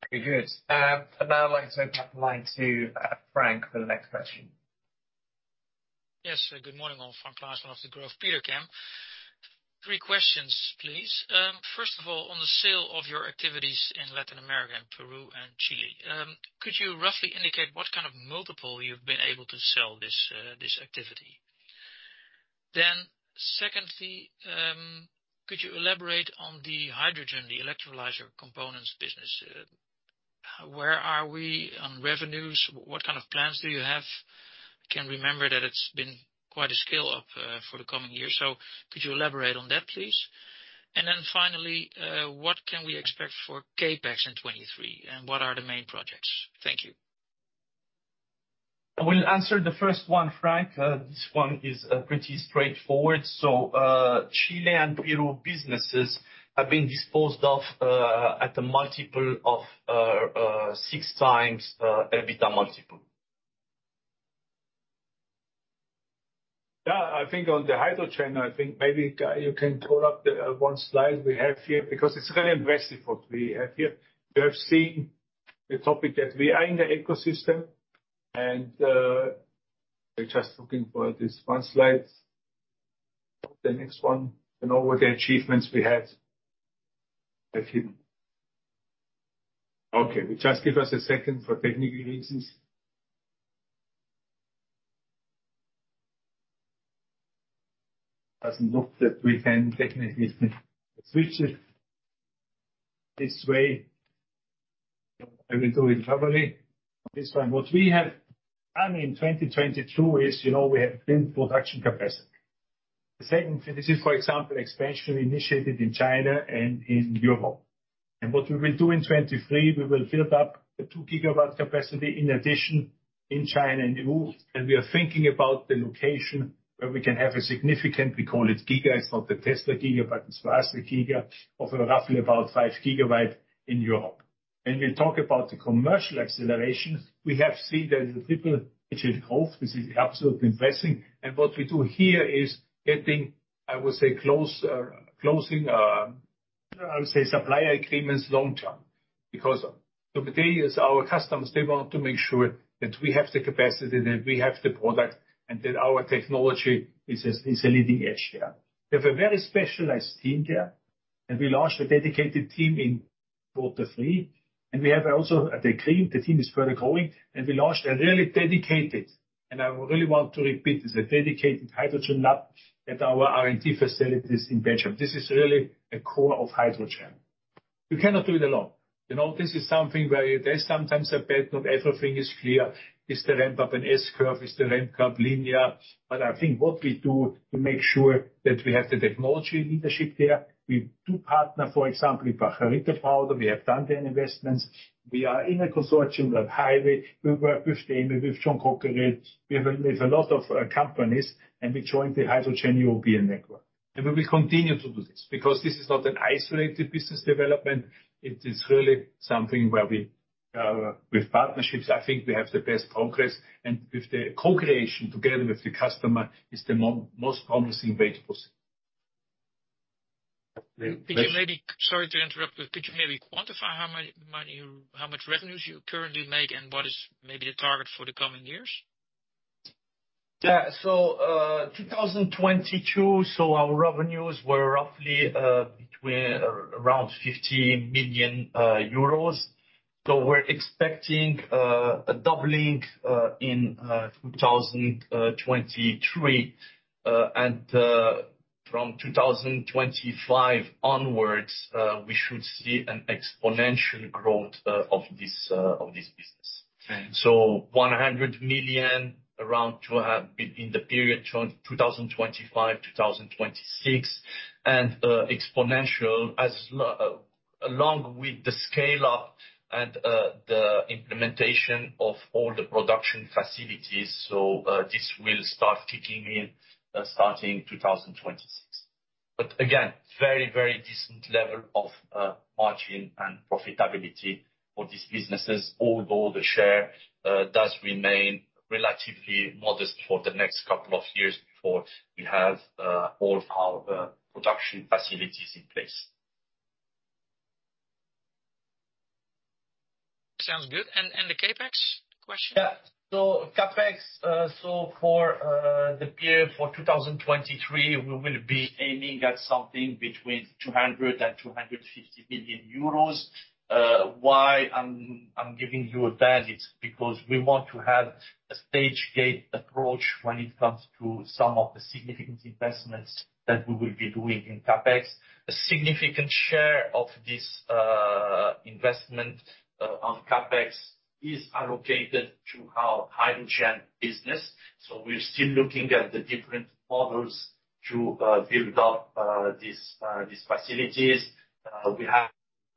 Okay, good. Now I'd like to open up the line to Frank for the next question. Yes. Good morning, all. Frank Claassen of the Degroof Petercam. Three questions, please. First of all, on the sale of your activities in Latin America, in Peru and Chile, could you roughly indicate what kind of multiple you've been able to sell this activity? Secondly, could you elaborate on the hydrogen, the electrolyzer components business? Where are we on revenues? What kind of plans do you have? I can remember that it's been quite a scale up for the coming years. could you elaborate on that, please? Finally, what can we expect for CapEx in 2023, and what are the main projects? Thank you. I will answer the first one, Frank. This one is pretty straightforward. Chile and Peru businesses have been disposed of, at a multiple of 6x EBITDA multiple. Yeah. I think on the hydrogen, I think maybe, Guy, you can pull up the one slide we have here, because it's very impressive what we have here. We have seen the topic that we are in the ecosystem and we're just looking for this one slide. The next one. You know, with the achievements we had. Okay, just give us a second for technical reasons. Doesn't look that we can technically switch it this way. I will do it probably on this one. What we have done in 2022 is, you know, we have built production capacity. The same for this is, for example, expansion we initiated in China and in Europe. What we will do in 2023, we will build up a 2 gigawatt capacity in addition in China and Europe. We are thinking about the location where we can have a significant, we call it giga. It's not the Tesla giga, but it's for us the giga of roughly about 5 gigawatt in Europe. We'll talk about the commercial acceleration. We have seen that the triple-digit growth, this is absolutely impressive. What we do here is closing, I would say, supplier agreements long term. Because the materials, our customers, they want to make sure that we have the capacity, that we have the product, and that our technology is a leading edge there. We have a very specialized team there, and we launched a dedicated team in quarter three, and we have also a decline. The team is further growing. We launched a really dedicated, and I really want to repeat this, a dedicated hydrogen lab at our R&D facilities in Belgium. This is really a core of hydrogen. We cannot do it alone. You know, this is something where there's sometimes a bet not everything is clear. Is the ramp-up an S-curve? Is the ramp-up linear? I think what we do to make sure that we have the technology leadership there, we do partner, for example, with Bekaert Powder Coating. We have done the investments. We are in a consortium with Highway. We work with them, with John Cockerill. We have a, with a lot of companies, and we joined the Hydrogen European network. We will continue to do this because this is not an isolated business development. It is really something where we, with partnerships, I think we have the best progress, and with the co-creation together with the customer is the most promising way to proceed. Could you maybe, Sorry to interrupt, but could you maybe quantify how much revenues you currently make and what is maybe the target for the coming years? 2022, our revenues were roughly, between, around 50 million euros. We're expecting a doubling in 2023. From 2025 onwards, we should see an exponential growth of this business. Okay. One hundred million around two in the period 2025-2026, and exponential along with the scale-up and the implementation of all the production facilities. This will start kicking in starting 2026. Again, very decent level of margin and profitability for these businesses, although the share does remain relatively modest for the next couple of years before we have all of our production facilities in place. Sounds good. The CapEx question? Yeah. CapEx, for the period for 2023, we will be aiming at something between 200 million euros and 250 million euros. Why I'm giving you a band, it's because we want to have a stage gate approach when it comes to some of the significant investments that we will be doing in CapEx. A significant share of this investment of CapEx is allocated to our hydrogen business, we're still looking at the different models to build up these facilities. We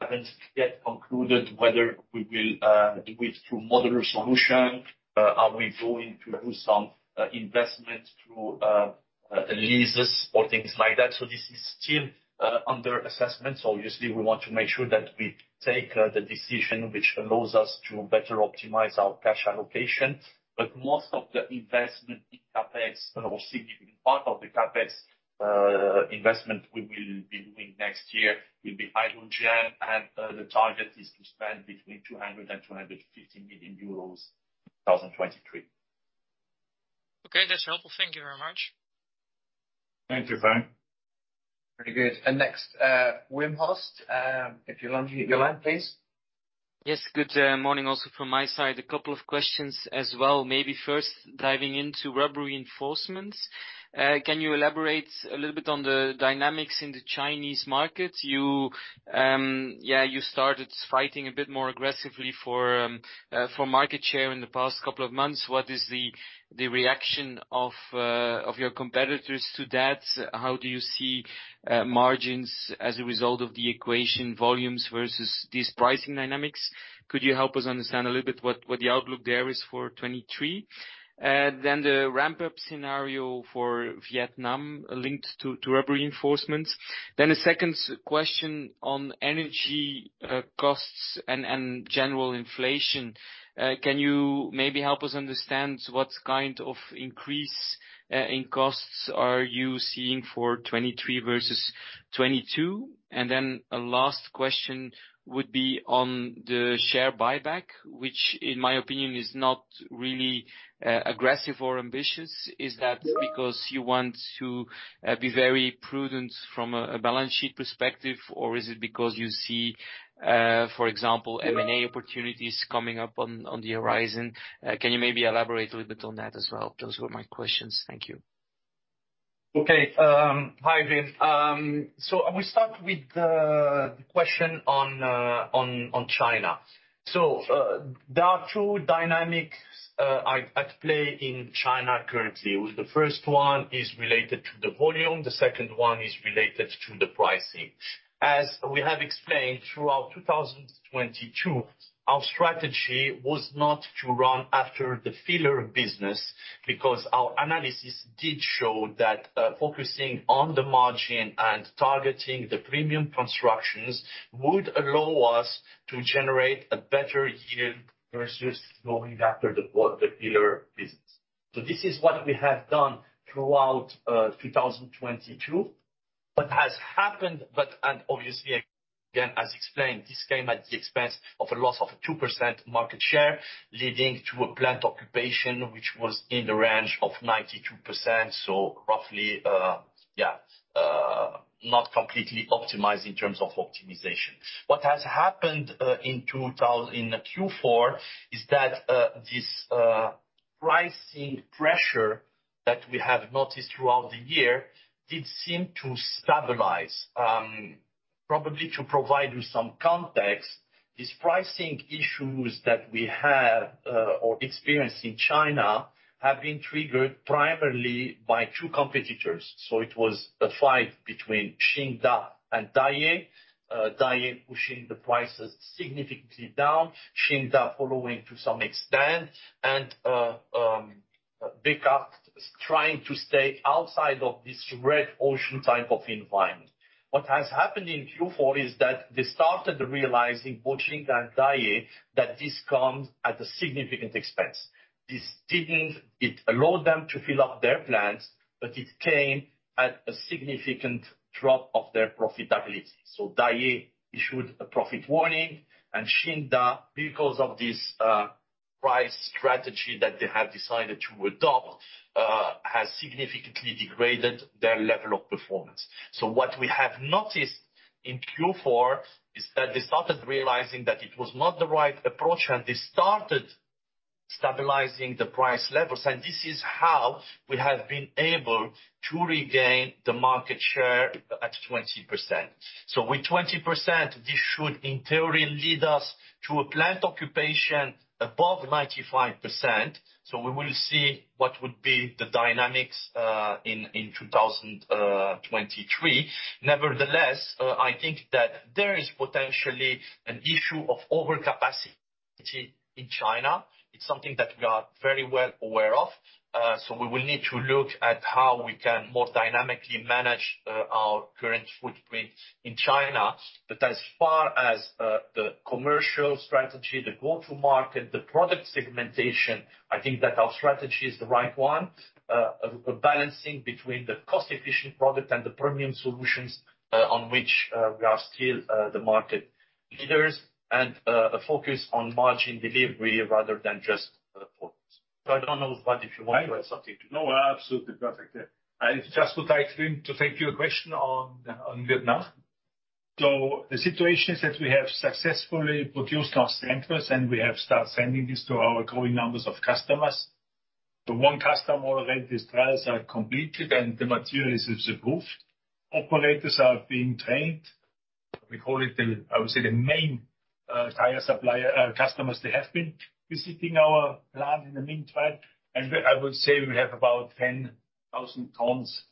haven't yet concluded whether we will do it through modular solution. Are we going to do some investment through leases or things like that? This is still under assessment. Obviously we want to make sure that we take the decision which allows us to better optimize our cash allocation. Most of the investment in CapEx or significant part of the CapEx investment we will be doing next year will be hydrogen. The target is to spend between 200 million euros and 250 million euros in 2023. Okay. That's helpful. Thank you very much. Thank you, Frank. Very good. Next, Wim Hoste. If you launch your line, please. Yes. Good morning also from my side. A couple of questions as well. Maybe first diving into Rubber Reinforcement. Can you elaborate a little bit on the dynamics in the Chinese market? You, yeah, you started fighting a bit more aggressively for market share in the past couple of months. What is the reaction of your competitors to that? How do you see margins as a result of the equation, volumes versus these pricing dynamics? Could you help us understand a little bit what the outlook there is for 2023? The ramp-up scenario for Vietnam linked to Rubber Reinforcement. A second question on energy costs and general inflation. Can you maybe help us understand what kind of increase in costs are you seeing for 2023 versus 2022? A last question would be on the share buyback, which in my opinion is not really aggressive or ambitious. Is that because you want to be very prudent from a balance sheet perspective, or is it because you see, for example, M&A opportunities coming up on the horizon? Can you maybe elaborate a little bit on that as well? Those were my questions. Thank you. Okay. Hi, Yves. We start with the question on China. There are two dynamics at play in China currently. The first one is related to the volume, the second one is related to the pricing. As we have explained throughout 2022, our strategy was not to run after the filler business because our analysis did show that focusing on the margin and targeting the premium constructions would allow us to generate a better yield versus going after the filler business. This is what we have done throughout 2022. What has happened, and obviously, again, as explained, this came at the expense of a loss of 2% market share, leading to a plant occupation which was in the range of 92%. Roughly, yeah, not completely optimized in terms of optimization. What has happened in Q4 is that this pricing pressure that we have noticed throughout the year did seem to stabilize. Probably to provide you some context, these pricing issues that we had or experienced in China, have been triggered primarily by two competitors. It was a fight between Shougang and Daye. Daye pushing the prices significantly down, Shougang following to some extent, and Bekaert trying to stay outside of this red ocean type of environment. What has happened in Q4 is that they started realizing, both Shougang and Daye, that this comes at a significant expense. This didn't. It allowed them to fill up their plants, but it came at a significant drop of their profitability. Daye issued a profit warning, and Shougang, because of this, price strategy that they have decided to adopt, has significantly degraded their level of performance. What we have noticed in Q4 is that they started realizing that it was not the right approach, and they started stabilizing the price levels, and this is how we have been able to regain the market share at 20%. With 20%, this should in theory lead us to a plant occupation above 95%. We will see what would be the dynamics in 2023. Nevertheless, I think that there is potentially an issue of overcapacity in China. It's something that we are very well aware of, so we will need to look at how we can more dynamically manage our current footprint in China. As far as the commercial strategy, the go-to-market, the product segmentation, I think that our strategy is the right one. Balancing between the cost-efficient product and the premium solutions, on which we are still the market leaders, and a focus on margin delivery rather than just volumes. I don't know what if you want to add something. Absolutely perfect. I just would like to take your question on Vietnam. The situation is that we have successfully produced our samples, and we have start sending this to our growing numbers of customers. The one customer already these trials are completed, and the materials is approved. Operators are being trained. We call it the, I would say, the main tire supplier customers. They have been visiting our plant in the meantime. I would say we have about 10,000 tons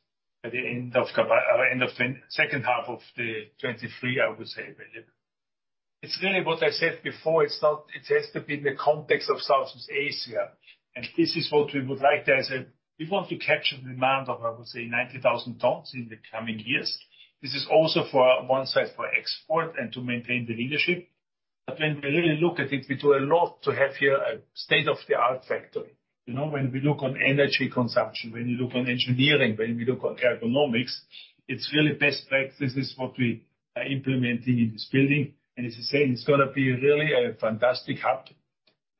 at the end of the second half of 2023, I would say. It's really what I said before. It has to be in the context of Southeast Asia. This is what we would like. We want to capture demand of, I would say, 90,000 tons in the coming years. This is also for, one side, for export and to maintain the leadership. When we really look at it, we do a lot to have here a state-of-the-art factory. You know, when we look on energy consumption, when you look on engineering, when we look on ergonomics, it's really best practice is what we are implementing in this building. As I say, it's gonna be really a fantastic hub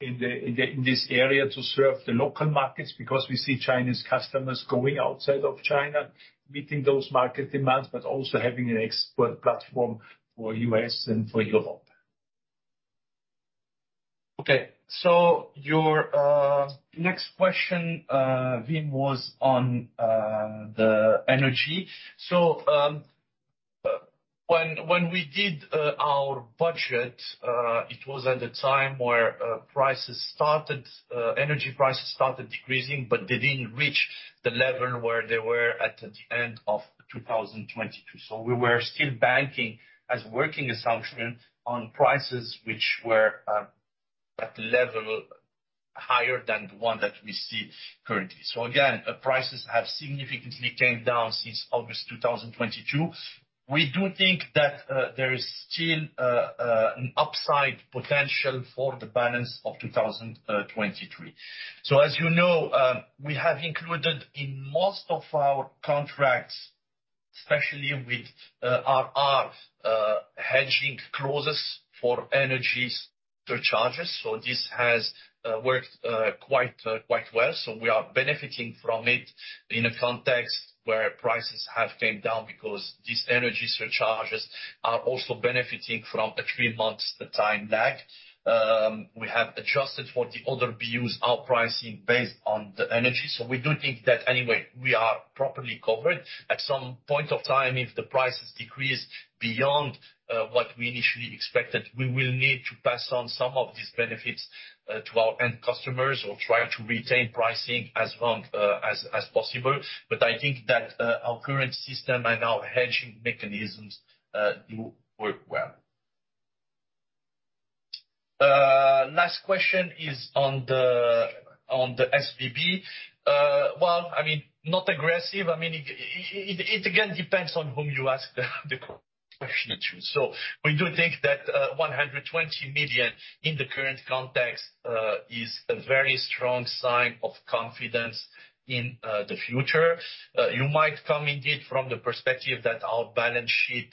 in this area to serve the local markets, because we see China's customers going outside of China, meeting those market demands, but also having an export platform for U.S. and for Europe. Your next question, Yves, was on the energy. When we did our budget, it was at the time where prices started, energy prices started decreasing, but they didn't reach the level where they were at the end of 2022. We were still banking as working assumption on prices which were at level higher than the one that we see currently. Again, prices have significantly came down since August 2022. We do think that there is still an upside potential for the balance of 2023. As you know, we have included in most of our contracts, especially with RR, hedging clauses for energies-surcharges. This has worked quite well. We are benefiting from it in a context where prices have came down because these energy surcharges are also benefiting from a three-month time lag. We have adjusted for the other BUs, our pricing based on the energy. We do think that anyway, we are properly covered. At some point of time, if the prices decrease beyond what we initially expected, we will need to pass on some of these benefits to our end customers or try to retain pricing as long as possible. I think that our current system and our hedging mechanisms do work well. Last question is on the SVB. Well, I mean, not aggressive. I mean, it again depends on whom you ask the question to. We do think that 100 million in the current context is a very strong sign of confidence in the future. You might come indeed from the perspective that our balance sheet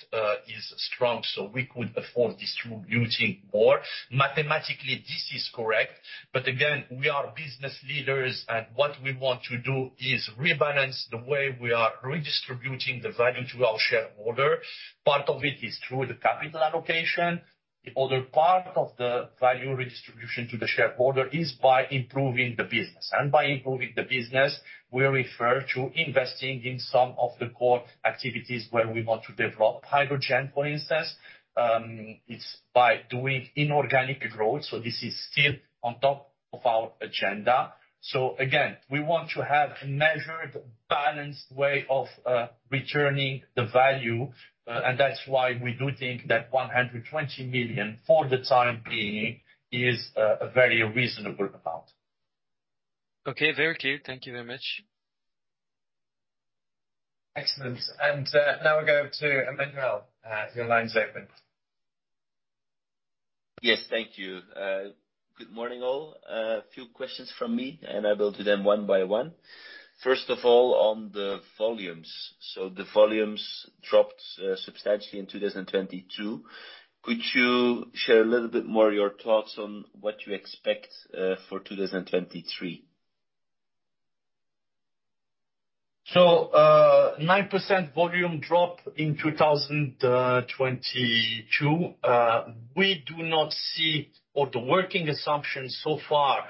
is strong, so we could afford distributing more. Mathematically, this is correct. Again, we are business leaders, and what we want to do is rebalance the way we are redistributing the value to our shareholder. Part of it is through the capital allocation. The other part of the value redistribution to the shareholder is by improving the business. By improving the business, we refer to investing in some of the core activities where we want to develop. Hydrogen, for instance. It's by doing inorganic growth. This is still on top of our agenda. Again, we want to have a measured, balanced way of returning the value, and that's why we do think that 100 million for the time being is a very reasonable amount. Okay, very clear. Thank you very much. Excellent. Now we go to Emmanuel. Your line's open. Yes, thank you. Good morning, all. A few questions from me. I will do them one by one. First of all, on the volumes. The volumes dropped substantially in 2022. Could you share a little bit more your thoughts on what you expect for 2023? 9% volume drop in 2022. We do not see, or the working assumption so far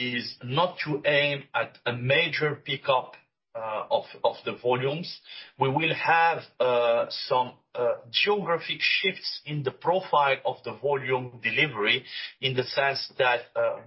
is not to aim at a major pickup of the volumes. We will have some geographic shifts in the profile of the volume delivery in the sense that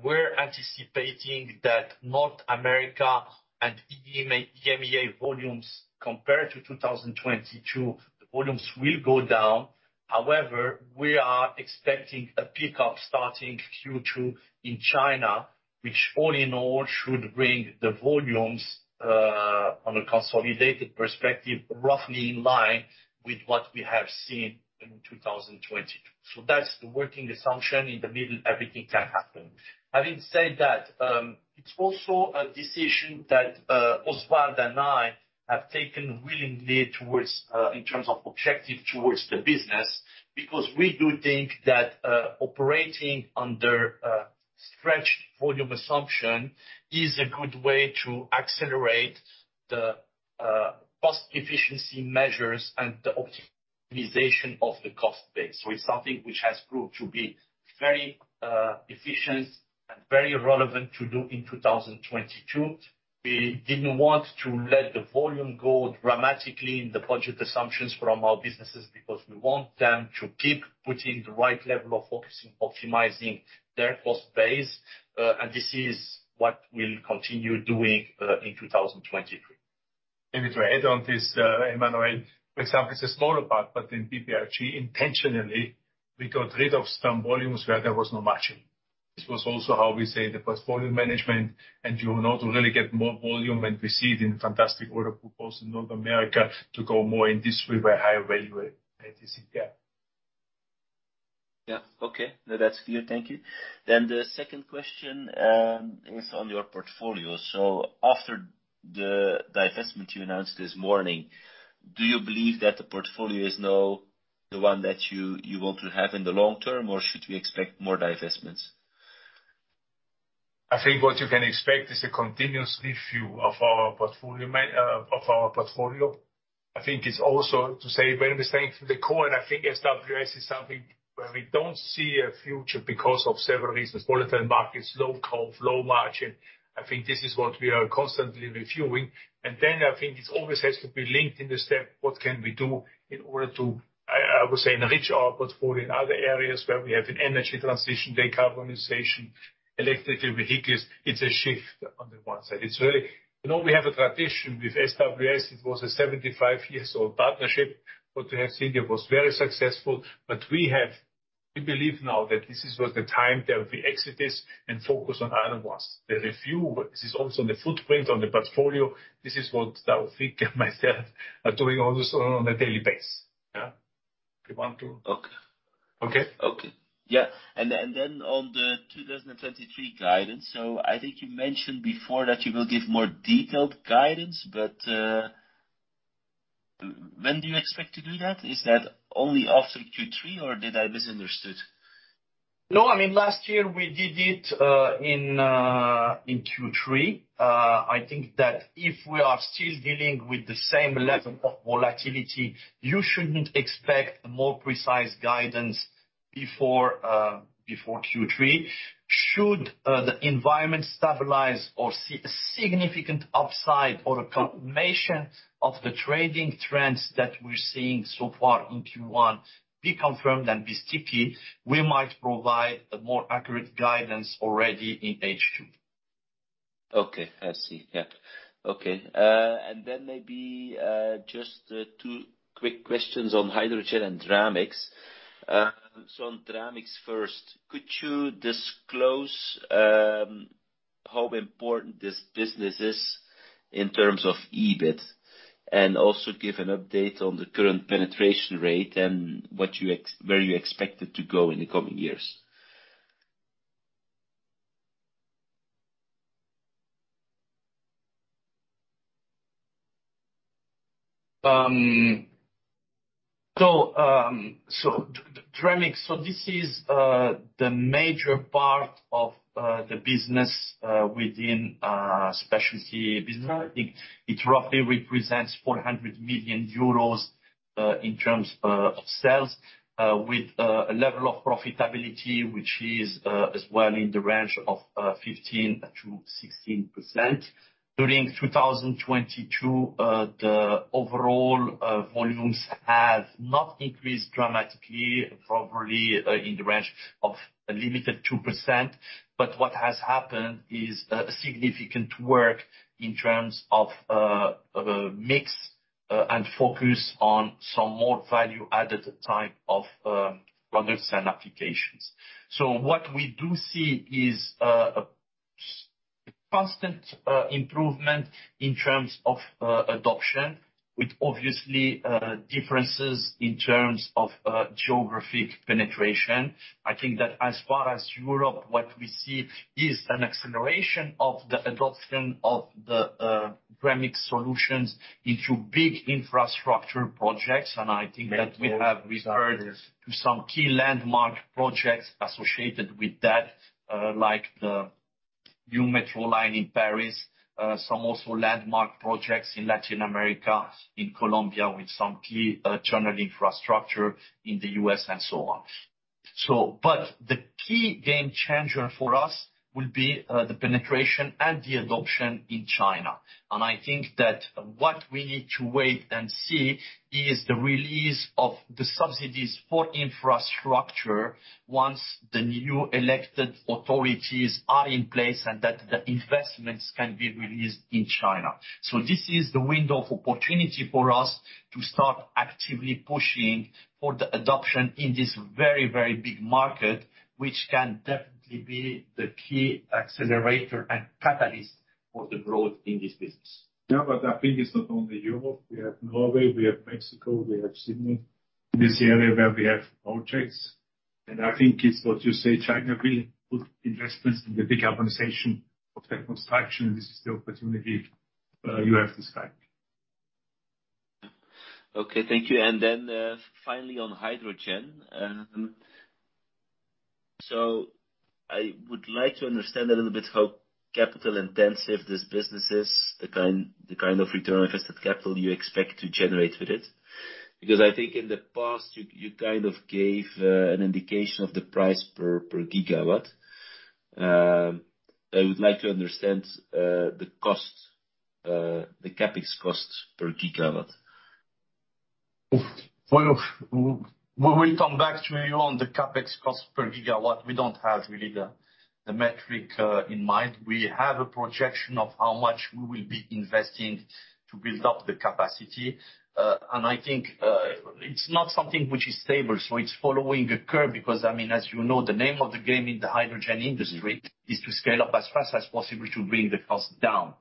we're anticipating that North America and EMEA volumes compared to 2022, the volumes will go down. However, we are expecting a pickup starting Q2 in China, which all in all should bring the volumes on a consolidated perspective, roughly in line with what we have seen in 2020. That's the working assumption. In the middle, everything can happen. Having said that, it's also a decision that Oswald and I have taken willingly towards, in terms of objective towards the business, because we do think that operating under a stretched volume assumption is a good way to accelerate the cost efficiency measures and the optimization of the cost base. It's something which has proved to be very efficient and very relevant to do in 2022. We didn't want to let the volume go dramatically in the budget assumptions from our businesses because we want them to keep putting the right level of focus in optimizing their cost base, and this is what we'll continue doing in 2023. Maybe to add on this, Emmanuel, for example, it's a smaller part, but in BPRG, intentionally, we got rid of some volumes where there was no margin. This was also how we say the portfolio management and you know, to really get more volume, and we see it in fantastic order proposals in North America to go more in this way where higher value. Yeah. Okay. No, that's clear. Thank you. The second question is on your portfolio. After the divestment you announced this morning, do you believe that the portfolio is now the one that you want to have in the long term, or should we expect more divestments? I think what you can expect is a continuous review of our portfolio of our portfolio. I think it's also to say when we're saying to the core, and I think SWS is something where we don't see a future because of several reasons, volatile markets, low cost, low margin. I think this is what we are constantly reviewing. I think it always has to be linked in the step, what can we do in order to, I would say enrich our portfolio in other areas where we have an energy transition, decarbonization, electrical vehicles. It's a shift on the one side. It's really... You know, we have a tradition with SWS. It was a 75-years old partnership with Air India, was very successful. We believe now that this is, was the time that we exit this and focus on other ones. The review, this is also the footprint on the portfolio. This is what Taoufik and myself are doing all this on a daily base. Yeah. Okay. Okay? Okay. Yeah. Then on the 2023 guidance, I think you mentioned before that you will give more detailed guidance. When do you expect to do that? Is that only after Q3, or did I misunderstood? No, I mean, last year we did it in Q3. I think that if we are still dealing with the same level of volatility, you shouldn't expect a more precise guidance before Q3. Should the environment stabilize or see a significant upside or a confirmation of the trading trends that we're seeing so far in Q1 be confirmed and be sticky, we might provide a more accurate guidance already in H2. Okay. I see. Yeah. Okay. Then maybe just two quick questions on hydrogen and Dramix. On Dramix first, could you disclose how important this business is in terms of EBIT? Also give an update on the current penetration rate and what you where you expect it to go in the coming years. Dramix. This is the major part of the business within our Specialty Businesses. I think it roughly represents 400 million euros in terms of sales, with a level of profitability, which is as well in the range of 15%-16%. During 2022, the overall volumes have not increased dramatically, probably in the range of a limited 2%. What has happened is significant work in terms of mix and focus on some more value added type of products and applications. What we do see is constant improvement in terms of adoption, with obviously differences in terms of geographic penetration. I think that as far as Europe, what we see is an acceleration of the adoption of the Dramix solutions into big infrastructure projects. I think that we have referred to some key landmark projects associated with that, like the new metro line in Paris, some also landmark projects in Latin America, in Colombia, with some key tunnel infrastructure in the U.S. and so on. The key game changer for us will be the penetration and the adoption in China. I think that what we need to wait and see is the release of the subsidies for infrastructure once the new elected authorities are in place, and that the investments can be released in China. This is the window of opportunity for us to start actively pushing for the adoption in this very big market, which can definitely be the key accelerator and catalyst for the growth in this business. Yeah, I think it's not only Europe. We have Norway, we have Mexico, we have Sydney, this area where we have projects. I think it's what you say, China will put investments in the decarbonization of their construction. This is the opportunity you have described. Okay, thank you. Finally on hydrogen. I would like to understand a little bit how capital-intensive this business is, the kind of return on invested capital you expect to generate with it. Because I think in the past you kind of gave an indication of the price per gigawatt. I would like to understand the cost, the CapEx cost per gigawatt. We will come back to you on the CapEx cost per gigawatt. We don't have really the metric in mind. We have a projection of how much we will be investing to build up the capacity. I think it's not something which is stable, so it's following a curve, because I mean, as you know, the name of the game in the hydrogen industry is to scale up as fast as possible to bring the cost down.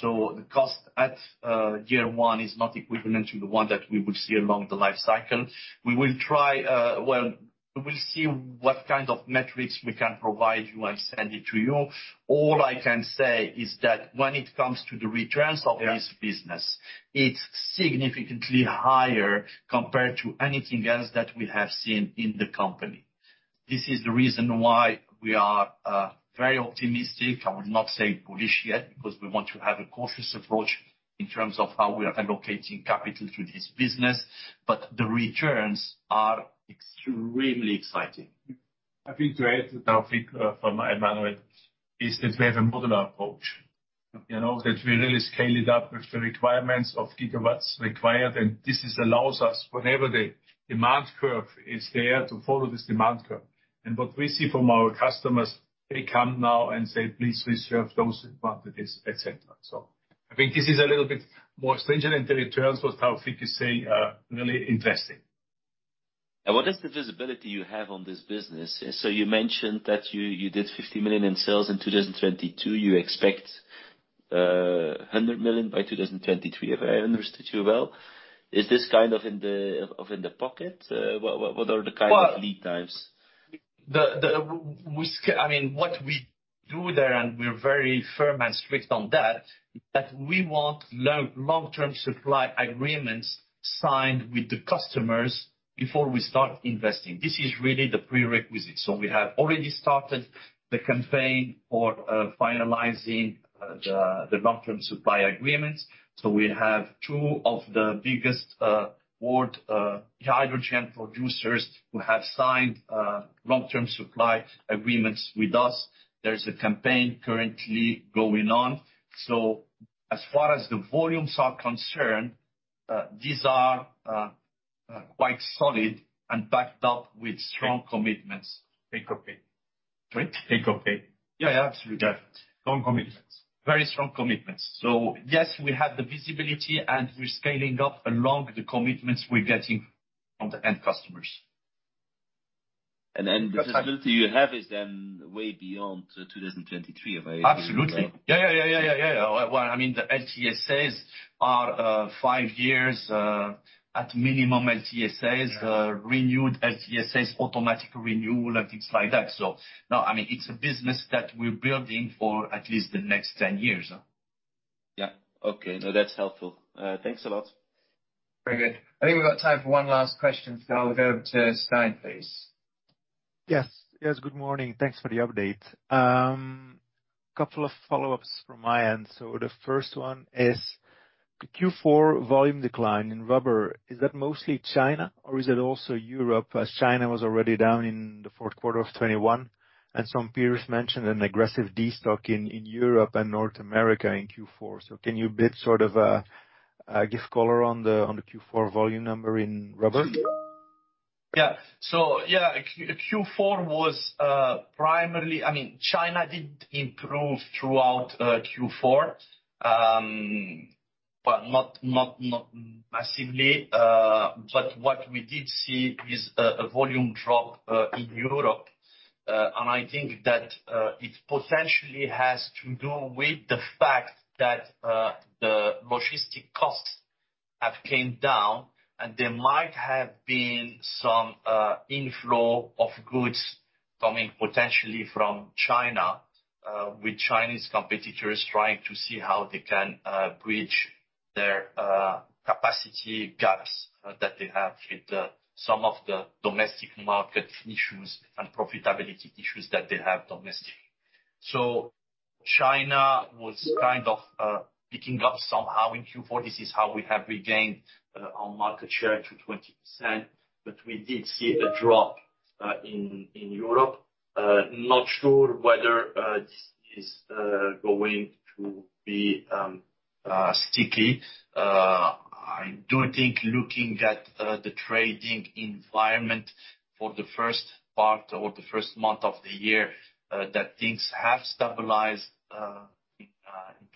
The cost at year one is not equivalent to the one that we would see along the life cycle. Well, we'll see what kind of metrics we can provide you and send it to you. All I can say is that when it comes to the returns of this business, it's significantly higher compared to anything else that we have seen in the company. This is the reason why we are very optimistic. I would not say bullish yet, because we want to have a cautious approach in terms of how we are allocating capital to this business. The returns are extremely exciting. I think the way that Taoufik from Emmanuel is that we have a modular approach, you know. That we really scale it up with the requirements of gigawatts required. This is allows us, whenever the demand curve is there, to follow this demand curve. What we see from our customers, they come now and say, "Please reserve those quantities," et cetera. I think this is a little bit more stringent than the returns, but Taoufik is saying are really interesting. What is the visibility you have on this business? You mentioned that you did 50 million in sales in 2022. You expect 100 million by 2023, if I understood you well. Is this kind of in the pocket? What are the kind of lead times? I mean, what we do that. We're very firm and strict on that we want long-term supply agreements signed with the customers before we start investing. This is really the prerequisite. We have already started the campaign for finalizing the long-term supply agreements. We have two of the biggest world hydrogen producers who have signed long-term supply agreements with us. There's a campaign currently going on. As far as the volumes are concerned, these are quite solid and backed up with strong commitments. Take-or-pay. Sorry? Take-or-pay. Yeah, yeah. Absolutely. Strong commitments. Very strong commitments. Yes, we have the visibility, and we're scaling up along the commitments we're getting from the end customers. Visibility you have is then way beyond 2023, if I hear you right. Absolutely. Yeah. Well, I mean the LTSAs are five years at minimum LTSAs. Yeah. Renewed LTSAs, automatic renewal and things like that. No, I mean, it's a business that we're building for at least the next 10 years. Yeah. Okay. That's helpful. Thanks a lot. Very good. I think we've got time for one last question, so I'll go to Stijn, please. Yes. Yes, good morning. Thanks for the update. Couple of follow-ups from my end. The first one is the Q4 volume decline in rubber. Is that mostly China or is it also Europe? China was already down in the fourth quarter of 2021, and some peers mentioned an aggressive destock in Europe and North America in Q4. Can you give sort of give color on the Q4 volume number in rubber? Q4 was primarily. I mean, China did improve throughout Q4. Not massively. What we did see is a volume drop in Europe. I think that it potentially has to do with the fact that the logistic costs have came down, and there might have been some inflow of goods coming potentially from China, with Chinese competitors trying to see how they can bridge their capacity gaps that they have with some of the domestic market issues and profitability issues that they have domestically. China was kind of picking up somehow in Q4. This is how we have regained our market share to 20%. We did see a drop in Europe. Not sure whether this is going to be sticky. I do think looking at the trading environment for the first part or the first month of the year, that things have stabilized in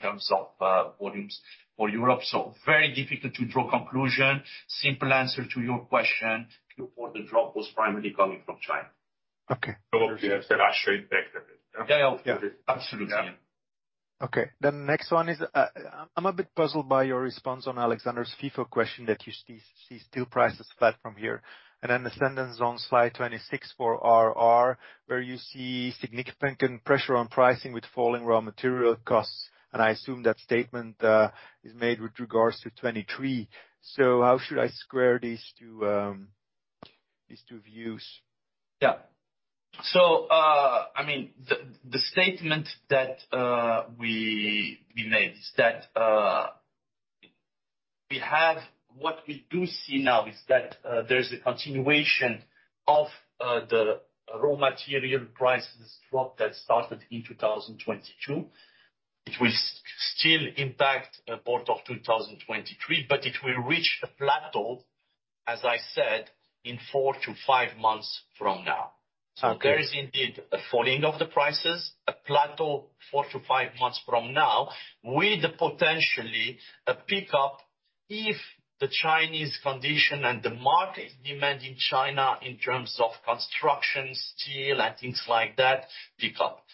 terms of volumes for Europe. Very difficult to draw conclusion. Simple answer to your question, Q4 the drop was primarily coming from China. Okay. Obviously have a straight effect of it. Yeah. Absolutely. Okay. The next one is, I'm a bit puzzled by your response on Alexander's FIFO question that you see steel prices flat from here. The sentence on slide 26 for RR, where you see significant pressure on pricing with falling raw material costs, and I assume that statement is made with regards to 2023. How should I square these two, these two views? I mean, the statement that we made is that what we do see now is that there's a continuation of the raw material prices drop that started in 2022, which will still impact a part of 2023, but it will reach a plateau, as I said, in 4-5 months from now. Okay. There is indeed a falling of the prices, a plateau 4 months-5 months from now, with potentially a pickup if the Chinese condition and the market demand in China in terms of construction, steel and things like that pick up.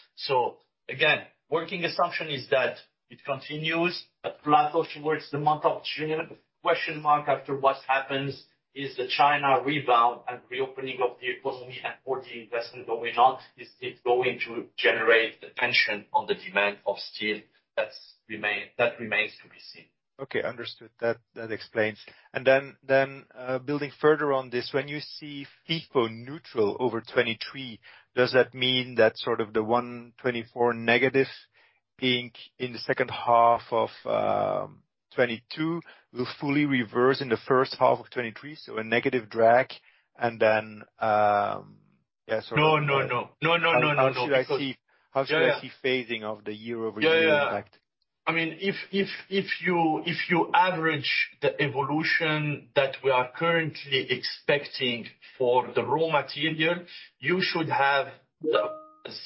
Again, working assumption is that it continues, a plateau towards the month of June. Question mark after what happens is the China rebound and reopening of the economy and for the investment going on, is it going to generate the tension on the demand of steel? That remains to be seen. Okay. Understood. That explains. Then, building further on this, when you see FIFO neutral over 2023, does that mean that sort of the 124 negative being in the second half of 2022 will fully reverse in the first half of 2023? A negative drag and then... Yeah, sorry. No, no, no. No, no, no, no. How should I see- Yeah, yeah. How should I see phasing of the year-over-year impact? Yeah. I mean if you average the evolution that we are currently expecting for the raw material, you should have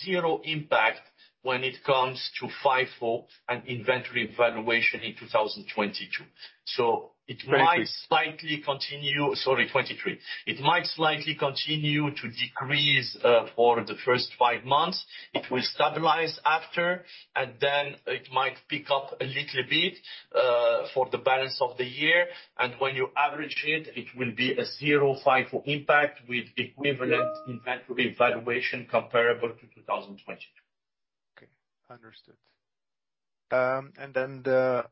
zero impact when it comes to FIFO and inventory valuation in 2022. Twenty-three. Slightly continue... Sorry, 23. It might slightly continue to decrease for the first five months. It will stabilize after. Then it might pick up a little bit for the balance of the year. When you average it will be a 0.5 for impact with equivalent inventory valuation comparable to 2020. Understood. The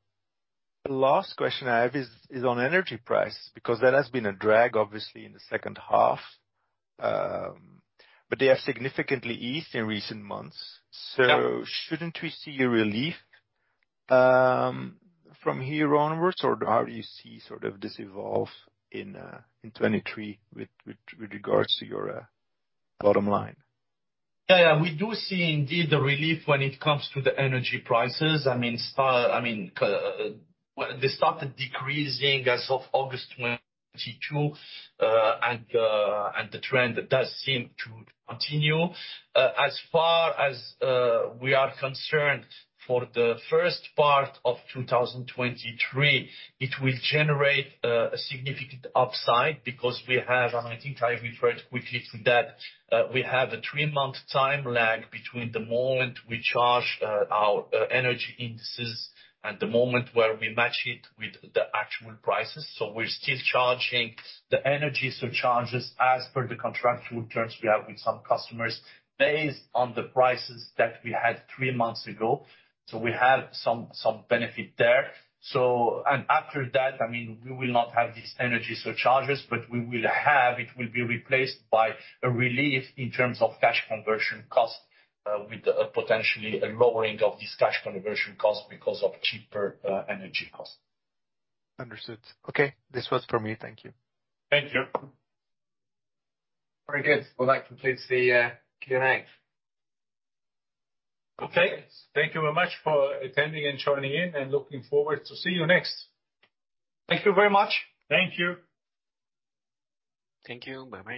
last question I have is on energy price, because that has been a drag obviously in the second half. They have significantly eased in recent months. Yeah. Shouldn't we see a relief from here onwards? Or how do you see sort of this evolve in 23 with regards to your bottom line? Yeah, yeah. We do see indeed the relief when it comes to the energy prices. I mean, they started decreasing as of August 2022, and the trend does seem to continue. As far as we are concerned, for the first part of 2023, it will generate a significant upside because we have, I think I referred quickly to that, we have a 3-month time lag between the moment we charge our energy indices and the moment where we match it with the actual prices. We're still charging the energy surcharges as per the contractual terms we have with some customers based on the prices that we had three months ago. We have some benefit there. After that, I mean, we will not have these energy surcharges. It will be replaced by a relief in terms of cash conversion cost, with potentially a lowering of this cash conversion cost because of cheaper energy costs. Understood. Okay. This was for me. Thank you. Thank you. Very good. That completes the Q&A. Okay. Thank you very much for attending and joining in. Looking forward to see you next. Thank you very much. Thank you. Thank you. Bye-bye.